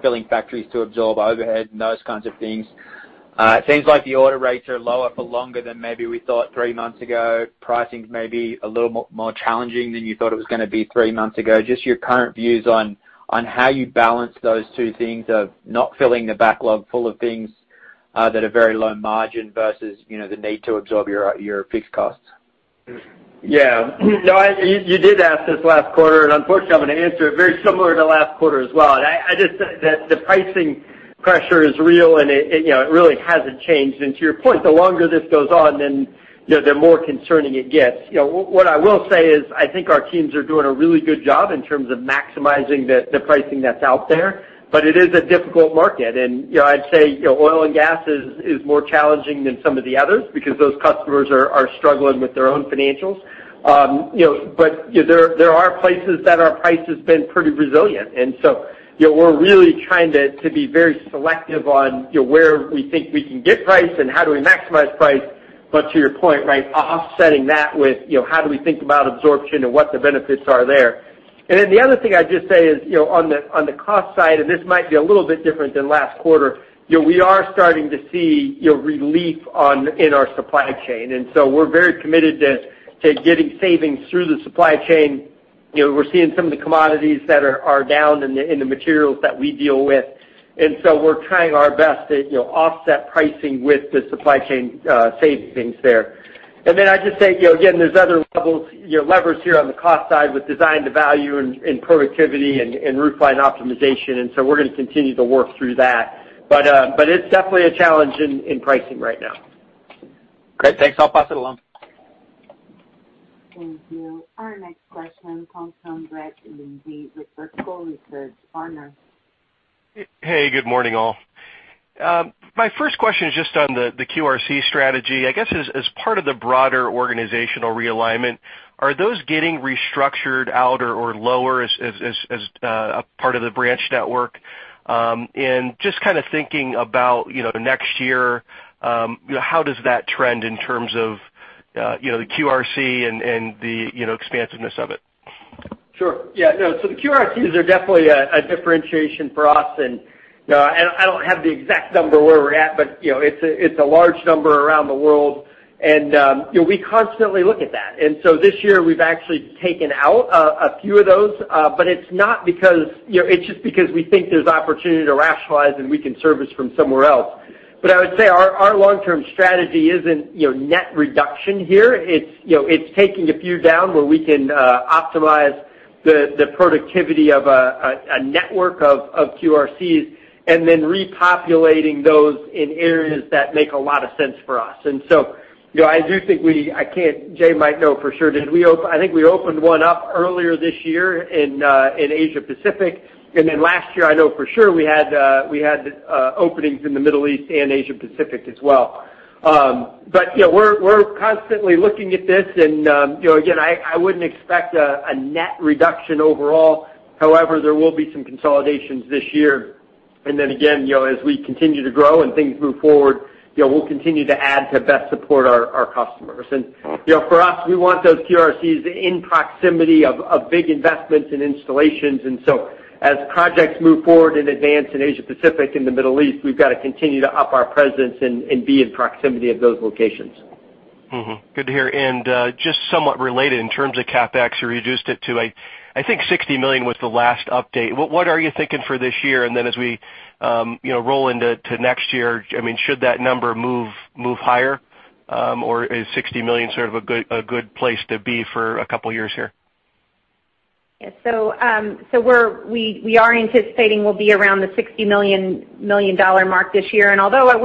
filling factories to absorb overhead and those kinds of things. It seems like the order rates are lower for longer than maybe we thought three months ago. Pricing may be a little more challenging than you thought it was going to be three months ago. Just your current views on how you balance those two things of not filling the backlog full of things that are very low margin versus the need to absorb your fixed costs. Yeah. You did ask this last quarter, unfortunately, I'm going to answer it very similar to last quarter as well. I just think that the pricing pressure is real, and it really hasn't changed. To your point, the longer this goes on, the more concerning it gets. What I will say is, I think our teams are doing a really good job in terms of maximizing the pricing that's out there, it is a difficult market. I'd say, oil and gas is more challenging than some of the others because those customers are struggling with their own financials. There are places that our price has been pretty resilient. We're really trying to be very selective on where we think we can get price and how do we maximize price. To your point, offsetting that with how do we think about absorption and what the benefits are there. The other thing I'd just say is, on the cost side, and this might be a little bit different than last quarter, we are starting to see relief in our supply chain. We're very committed to getting savings through the supply chain. We're seeing some of the commodities that are down in the materials that we deal with. We're trying our best to offset pricing with the supply chain savings there. I'd just say, again, there's other levels, levers here on the cost side with design to value and productivity and roofline optimization. We're going to continue to work through that. It's definitely a challenge in pricing right now. Great. Thanks. I'll pass it along. Thank you. Our next question comes from Brett Linzey with Vertical Research Partners. Hey, good morning, all. My first question is just on the QRC strategy. I guess as part of the broader organizational realignment, are those getting restructured out or lower as a part of the branch network? Just kind of thinking about next year, how does that trend in terms of the QRC and the expansiveness of it? Sure. Yeah. The QRCs are definitely a differentiation for us and I don't have the exact number where we're at, but it's a large number around the world. We constantly look at that. This year, we've actually taken out a few of those. It's just because we think there's opportunity to rationalize, and we can service from somewhere else. I would say our long-term strategy isn't net reduction here. It's taking a few down where we can optimize the productivity of a network of QRCs and then repopulating those in areas that make a lot of sense for us. I do think Jay might know for sure. I think we opened one up earlier this year in Asia Pacific. Last year, I know for sure we had openings in the Middle East and Asia Pacific as well. We're constantly looking at this and again, I wouldn't expect a net reduction overall. However, there will be some consolidations this year. Then again, as we continue to grow and things move forward, we'll continue to add to best support our customers. For us, we want those QRCs in proximity of big investments and installations. So as projects move forward and advance in Asia Pacific and the Middle East, we've got to continue to up our presence and be in proximity of those locations. Mm-hmm. Good to hear. Just somewhat related in terms of CapEx, you reduced it to, I think, $60 million was the last update. What are you thinking for this year? Then as we roll into next year, should that number move higher? Is $60 million sort of a good place to be for a couple of years here? Yeah. We are anticipating we'll be around the $60 million mark this year. Although I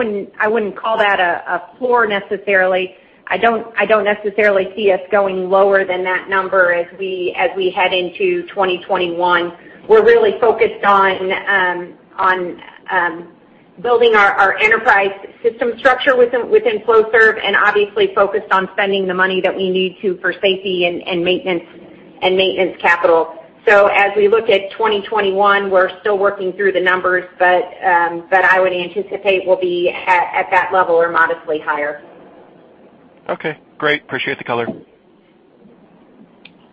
wouldn't call that a floor necessarily, I don't necessarily see us going lower than that number as we head into 2021. We're really focused on building our enterprise system structure within Flowserve and obviously focused on spending the money that we need to for safety and maintenance capital. As we look at 2021, we're still working through the numbers, but I would anticipate we'll be at that level or modestly higher. Okay, great. Appreciate the color.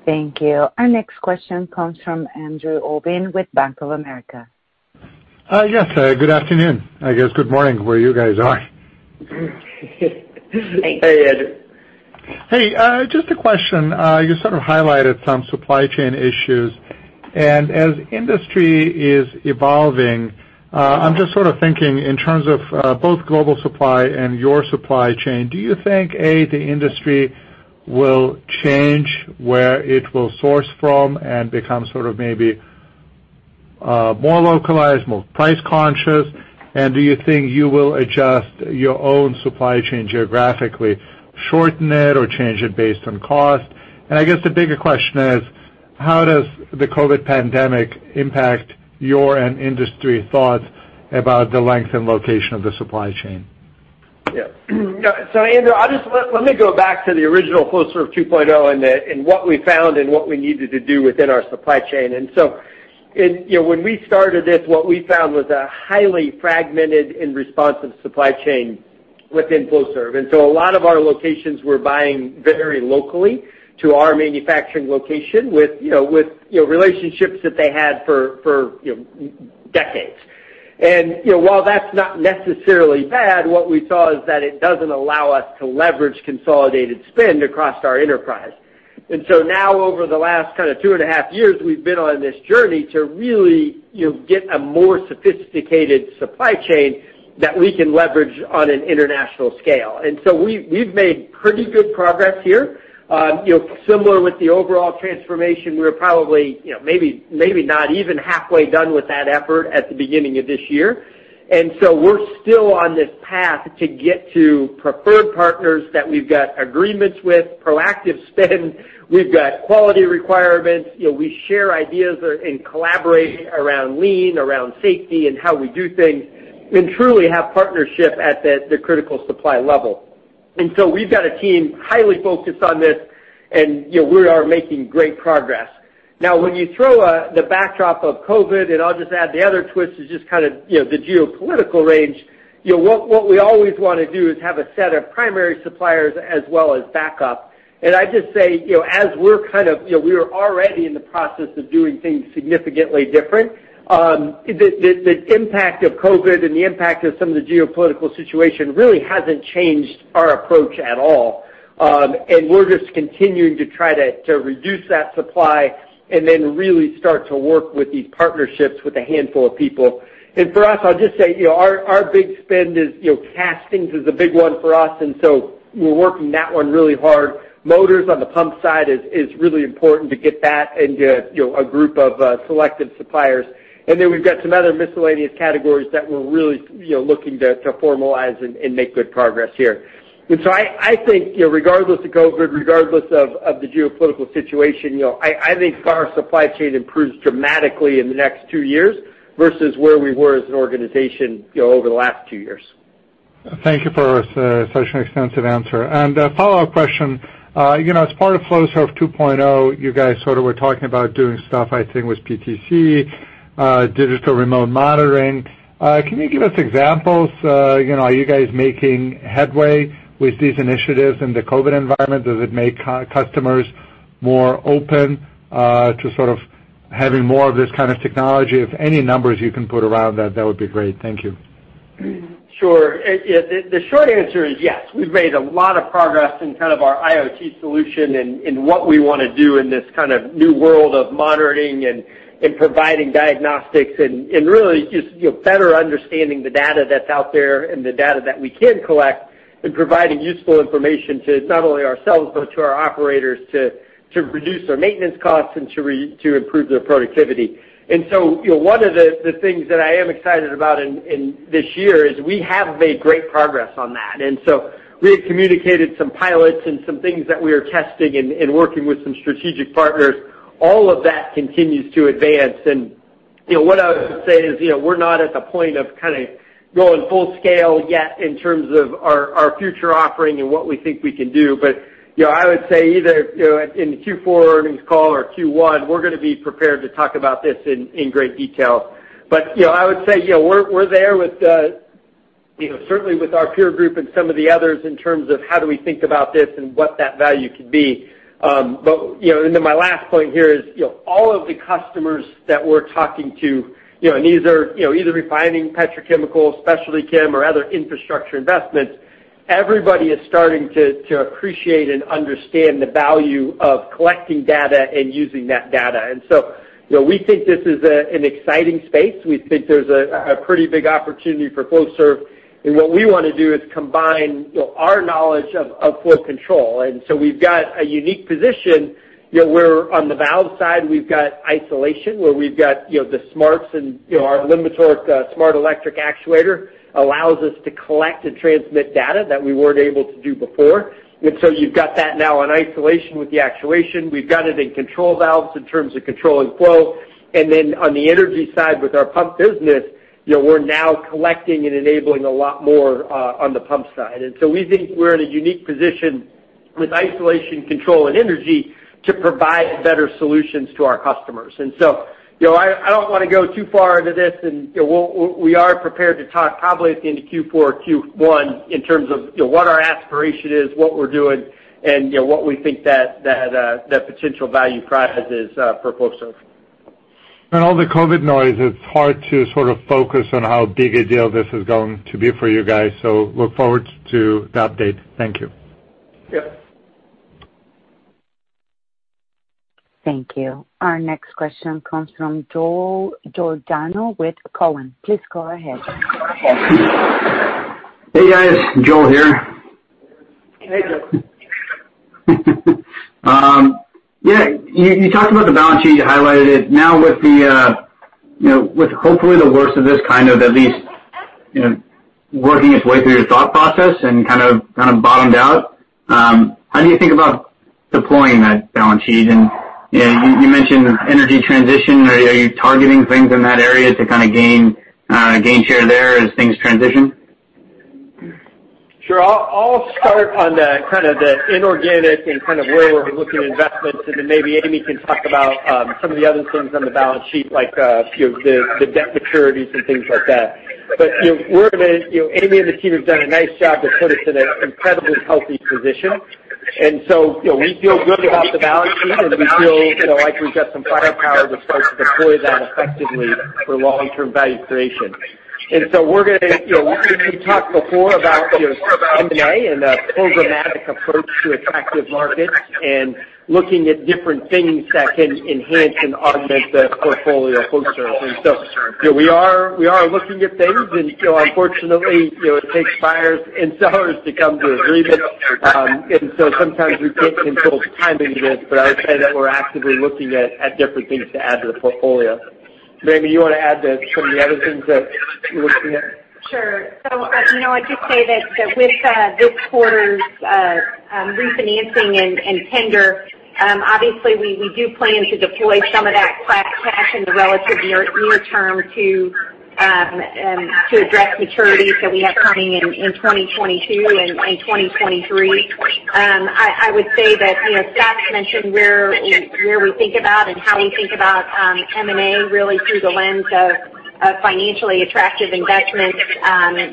Thank you. Our next question comes from Andrew Obin with Bank of America. Yes. Good afternoon. I guess good morning, where you guys are. Thanks. Hey, Andrew. Hey, just a question. You sort of highlighted some supply chain issues. As industry is evolving, I'm just sort of thinking in terms of both global supply and your supply chain, do you think, A, the industry will change where it will source from and become sort of maybe more localized, more price-conscious? Do you think you will adjust your own supply chain geographically, shorten it or change it based on cost? I guess the bigger question is, how does the COVID pandemic impact your and industry thoughts about the length and location of the supply chain? Yeah. Andrew, let me go back to the original Flowserve 2.0 and what we found and what we needed to do within our supply chain. When we started this, what we found was a highly fragmented, unresponsive supply chain within Flowserve. A lot of our locations were buying very locally to our manufacturing location with relationships that they had for decades. While that's not necessarily bad, what we saw is that it doesn't allow us to leverage consolidated spend across our enterprise. Now over the last kind of two and a half years, we've been on this journey to really get a more sophisticated supply chain that we can leverage on an international scale. We've made pretty good progress here. Similar with the overall transformation, we're probably maybe not even halfway done with that effort at the beginning of this year. We're still on this path to get to preferred partners that we've got agreements with, proactive spend. We've got quality requirements. We share ideas and collaborate around lean, around safety, and how we do things, and truly have partnership at the critical supply level. We've got a team highly focused on this, and we are making great progress. Now, when you throw the backdrop of COVID, and I'll just add the other twist is just kind of the geopolitical range. What we always want to do is have a set of primary suppliers as well as backup. I'd just say, we were already in the process of doing things significantly different. The impact of COVID and the impact of some of the geopolitical situation really hasn't changed our approach at all. We're just continuing to try to reduce that supply and then really start to work with these partnerships with a handful of people. For us, I'll just say, our big spend is castings is a big one for us, and so we're working that one really hard. Motors on the pump side is really important to get that into a group of selective suppliers. We've got some other miscellaneous categories that we're really looking to formalize and make good progress here. I think regardless of COVID, regardless of the geopolitical situation, I think our supply chain improves dramatically in the next two years versus where we were as an organization over the last two years. Thank you for such an extensive answer. A follow-up question. As part of Flowserve 2.0, you guys sort of were talking about doing stuff, I think, with PTC, digital remote monitoring. Can you give us examples? Are you guys making headway with these initiatives in the COVID environment? Does it make customers more open to sort of having more of this kind of technology? If any numbers you can put around that would be great. Thank you. Sure. The short answer is yes. We've made a lot of progress in kind of our IoT solution and what we want to do in this kind of new world of monitoring and providing diagnostics and really just better understanding the data that's out there and the data that we can collect, and providing useful information to not only ourselves, but to our operators to reduce their maintenance costs and to improve their productivity. One of the things that I am excited about in this year is we have made great progress on that. We have communicated some pilots and some things that we are testing and working with some strategic partners. All of that continues to advance. What I would say is we're not at the point of kind of going full scale yet in terms of our future offering and what we think we can do. I would say either in the Q4 earnings call or Q1, we're going to be prepared to talk about this in great detail. I would say we're there certainly with our peer group and some of the others in terms of how do we think about this and what that value could be. My last point here is all of the customers that we're talking to, and these are either refining petrochemical, specialty chem, or other infrastructure investments, everybody is starting to appreciate and understand the value of collecting data and using that data. We think this is an exciting space. We think there's a pretty big opportunity for Flowserve. What we want to do is combine our knowledge of flow control. We've got a unique position where on the valve side, we've got isolation, where we've got the smarts and our Limitorque Smart Electric Actuator allows us to collect and transmit data that we weren't able to do before. You've got that now on isolation with the actuation. We've got it in control valves in terms of controlling flow. On the energy side with our pump business, we're now collecting and enabling a lot more on the pump side. We think we're in a unique position with isolation, control, and energy to provide better solutions to our customers. I don't want to go too far into this, and we are prepared to talk probably at the end of Q4 or Q1 in terms of what our aspiration is, what we're doing, and what we think that potential value prize is for Flowserve. In all the COVID noise, it's hard to sort of focus on how big a deal this is going to be for you guys. Look forward to the update. Thank you. Yep. Thank you. Our next question comes from Joe Giordano with Cowen. Please go ahead. Hey, guys. Joe here. Hey, Joe. You talked about the balance sheet, you highlighted it. Now with hopefully the worst of this kind of at least working its way through your thought process and kind of bottomed out, how do you think about deploying that balance sheet? You mentioned energy transition. Are you targeting things in that area to kind of gain share there as things transition? Sure. I'll start on the kind of the inorganic and kind of where we're looking at investments, and then maybe Amy can talk about some of the other things on the balance sheet, like the debt maturities and things like that. Amy and the team have done a nice job to put us in an incredibly healthy position. We feel good about the balance sheet, and we feel like we've got some firepower to start to deploy that effectively for long-term value creation. We talked before about M&A and a programmatic approach to attractive markets and looking at different things that can enhance and augment the portfolio at Flowserve. We are looking at things. Unfortunately, it takes buyers and sellers to come to agreement. Sometimes we can't control the timing of it, but I would say that we're actively looking at different things to add to the portfolio. Amy, you want to add some of the other things that we're looking at? Sure. I'd just say that with this quarter's refinancing and tender, obviously, we do plan to deploy some of that cash in the relative near term to address maturities that we have coming in 2022 and in 2023. I would say that Scott's mentioned where we think about and how we think about M&A, really through the lens of financially attractive investments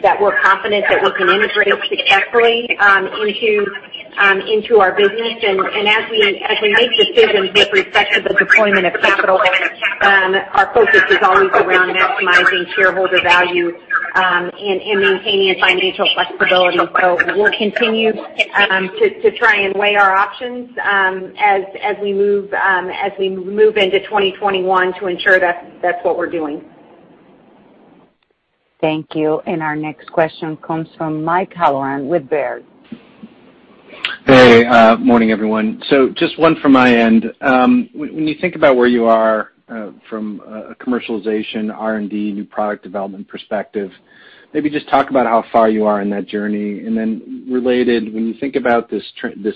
that we're confident that we can integrate successfully into our business. As we make decisions with respect to the deployment of capital, our focus is always around maximizing shareholder value, and maintaining a financial flexibility. We'll continue to try and weigh our options as we move into 2021 to ensure that's what we're doing. Thank you. Our next question comes from Michael Halloran with Baird. Hey, morning, everyone. Just one from my end. When you think about where you are from a commercialization R&D new product development perspective, maybe just talk about how far you are in that journey, and then related, when you think about this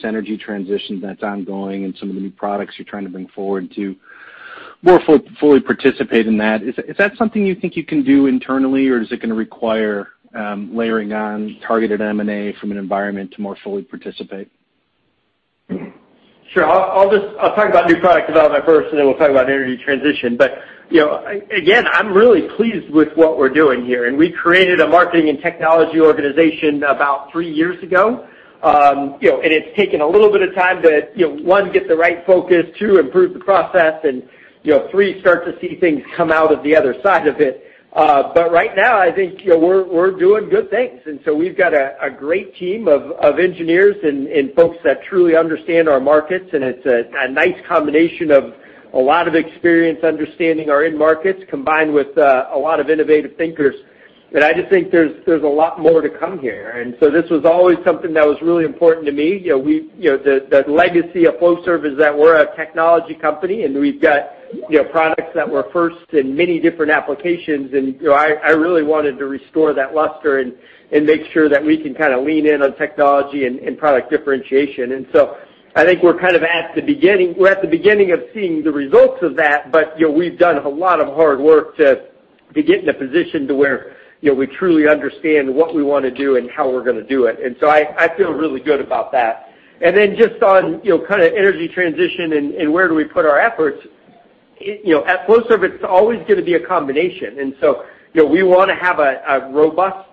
energy transition that's ongoing and some of the new products you're trying to bring forward to more fully participate in that, is that something you think you can do internally, or is it going to require layering on targeted M&A from an environment to more fully participate? Sure. I'll talk about new product development first. Then we'll talk about energy transition. Again, I'm really pleased with what we're doing here. We created a marketing and technology organization about three years ago. It's taken a little bit of time to, one, get the right focus, two, improve the process, and three, start to see things come out of the other side of it. Right now, I think we're doing good things. We've got a great team of engineers and folks that truly understand our markets. It's a nice combination of a lot of experience understanding our end markets combined with a lot of innovative thinkers. I just think there's a lot more to come here. This was always something that was really important to me. The legacy of Flowserve is that we're a technology company, and we've got products that were first in many different applications. I really wanted to restore that luster and make sure that we can kind of lean in on technology and product differentiation. I think we're kind of at the beginning of seeing the results of that. We've done a lot of hard work to be getting the position to where we truly understand what we want to do and how we're going to do it. I feel really good about that. Just on kind of energy transition and where do we put our efforts. At Flowserve, it's always going to be a combination. We want to have a robust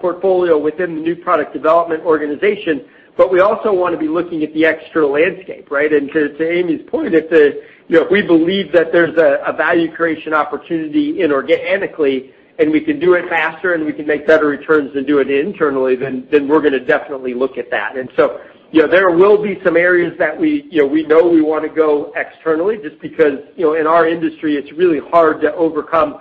portfolio within the new product development organization, but we also want to be looking at the external landscape, right? To Amy's point, if we believe that there's a value creation opportunity inorganically and we can do it faster and we can make better returns than do it internally, we're going to definitely look at that. There will be some areas that we know we want to go externally just because in our industry, it's really hard to overcome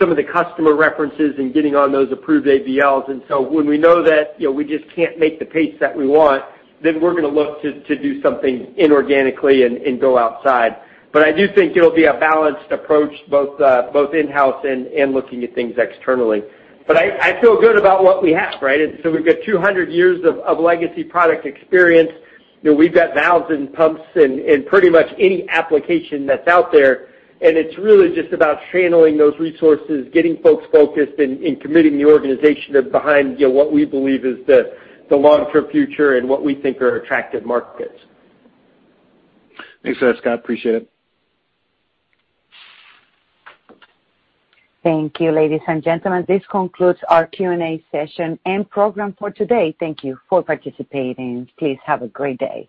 some of the customer references and getting on those approved AVLs. When we know that we just can't make the pace that we want, we're going to look to do something inorganically and go outside. I do think it'll be a balanced approach, both in-house and looking at things externally. I feel good about what we have, right? We've got 200 years of legacy product experience. We've got valves and pumps and pretty much any application that's out there. It's really just about channeling those resources, getting folks focused and committing the organization behind what we believe is the long-term future and what we think are attractive markets. Thanks for that, Scott. Appreciate it. Thank you, ladies and gentlemen. This concludes our Q&A session and program for today. Thank you for participating. Please have a great day.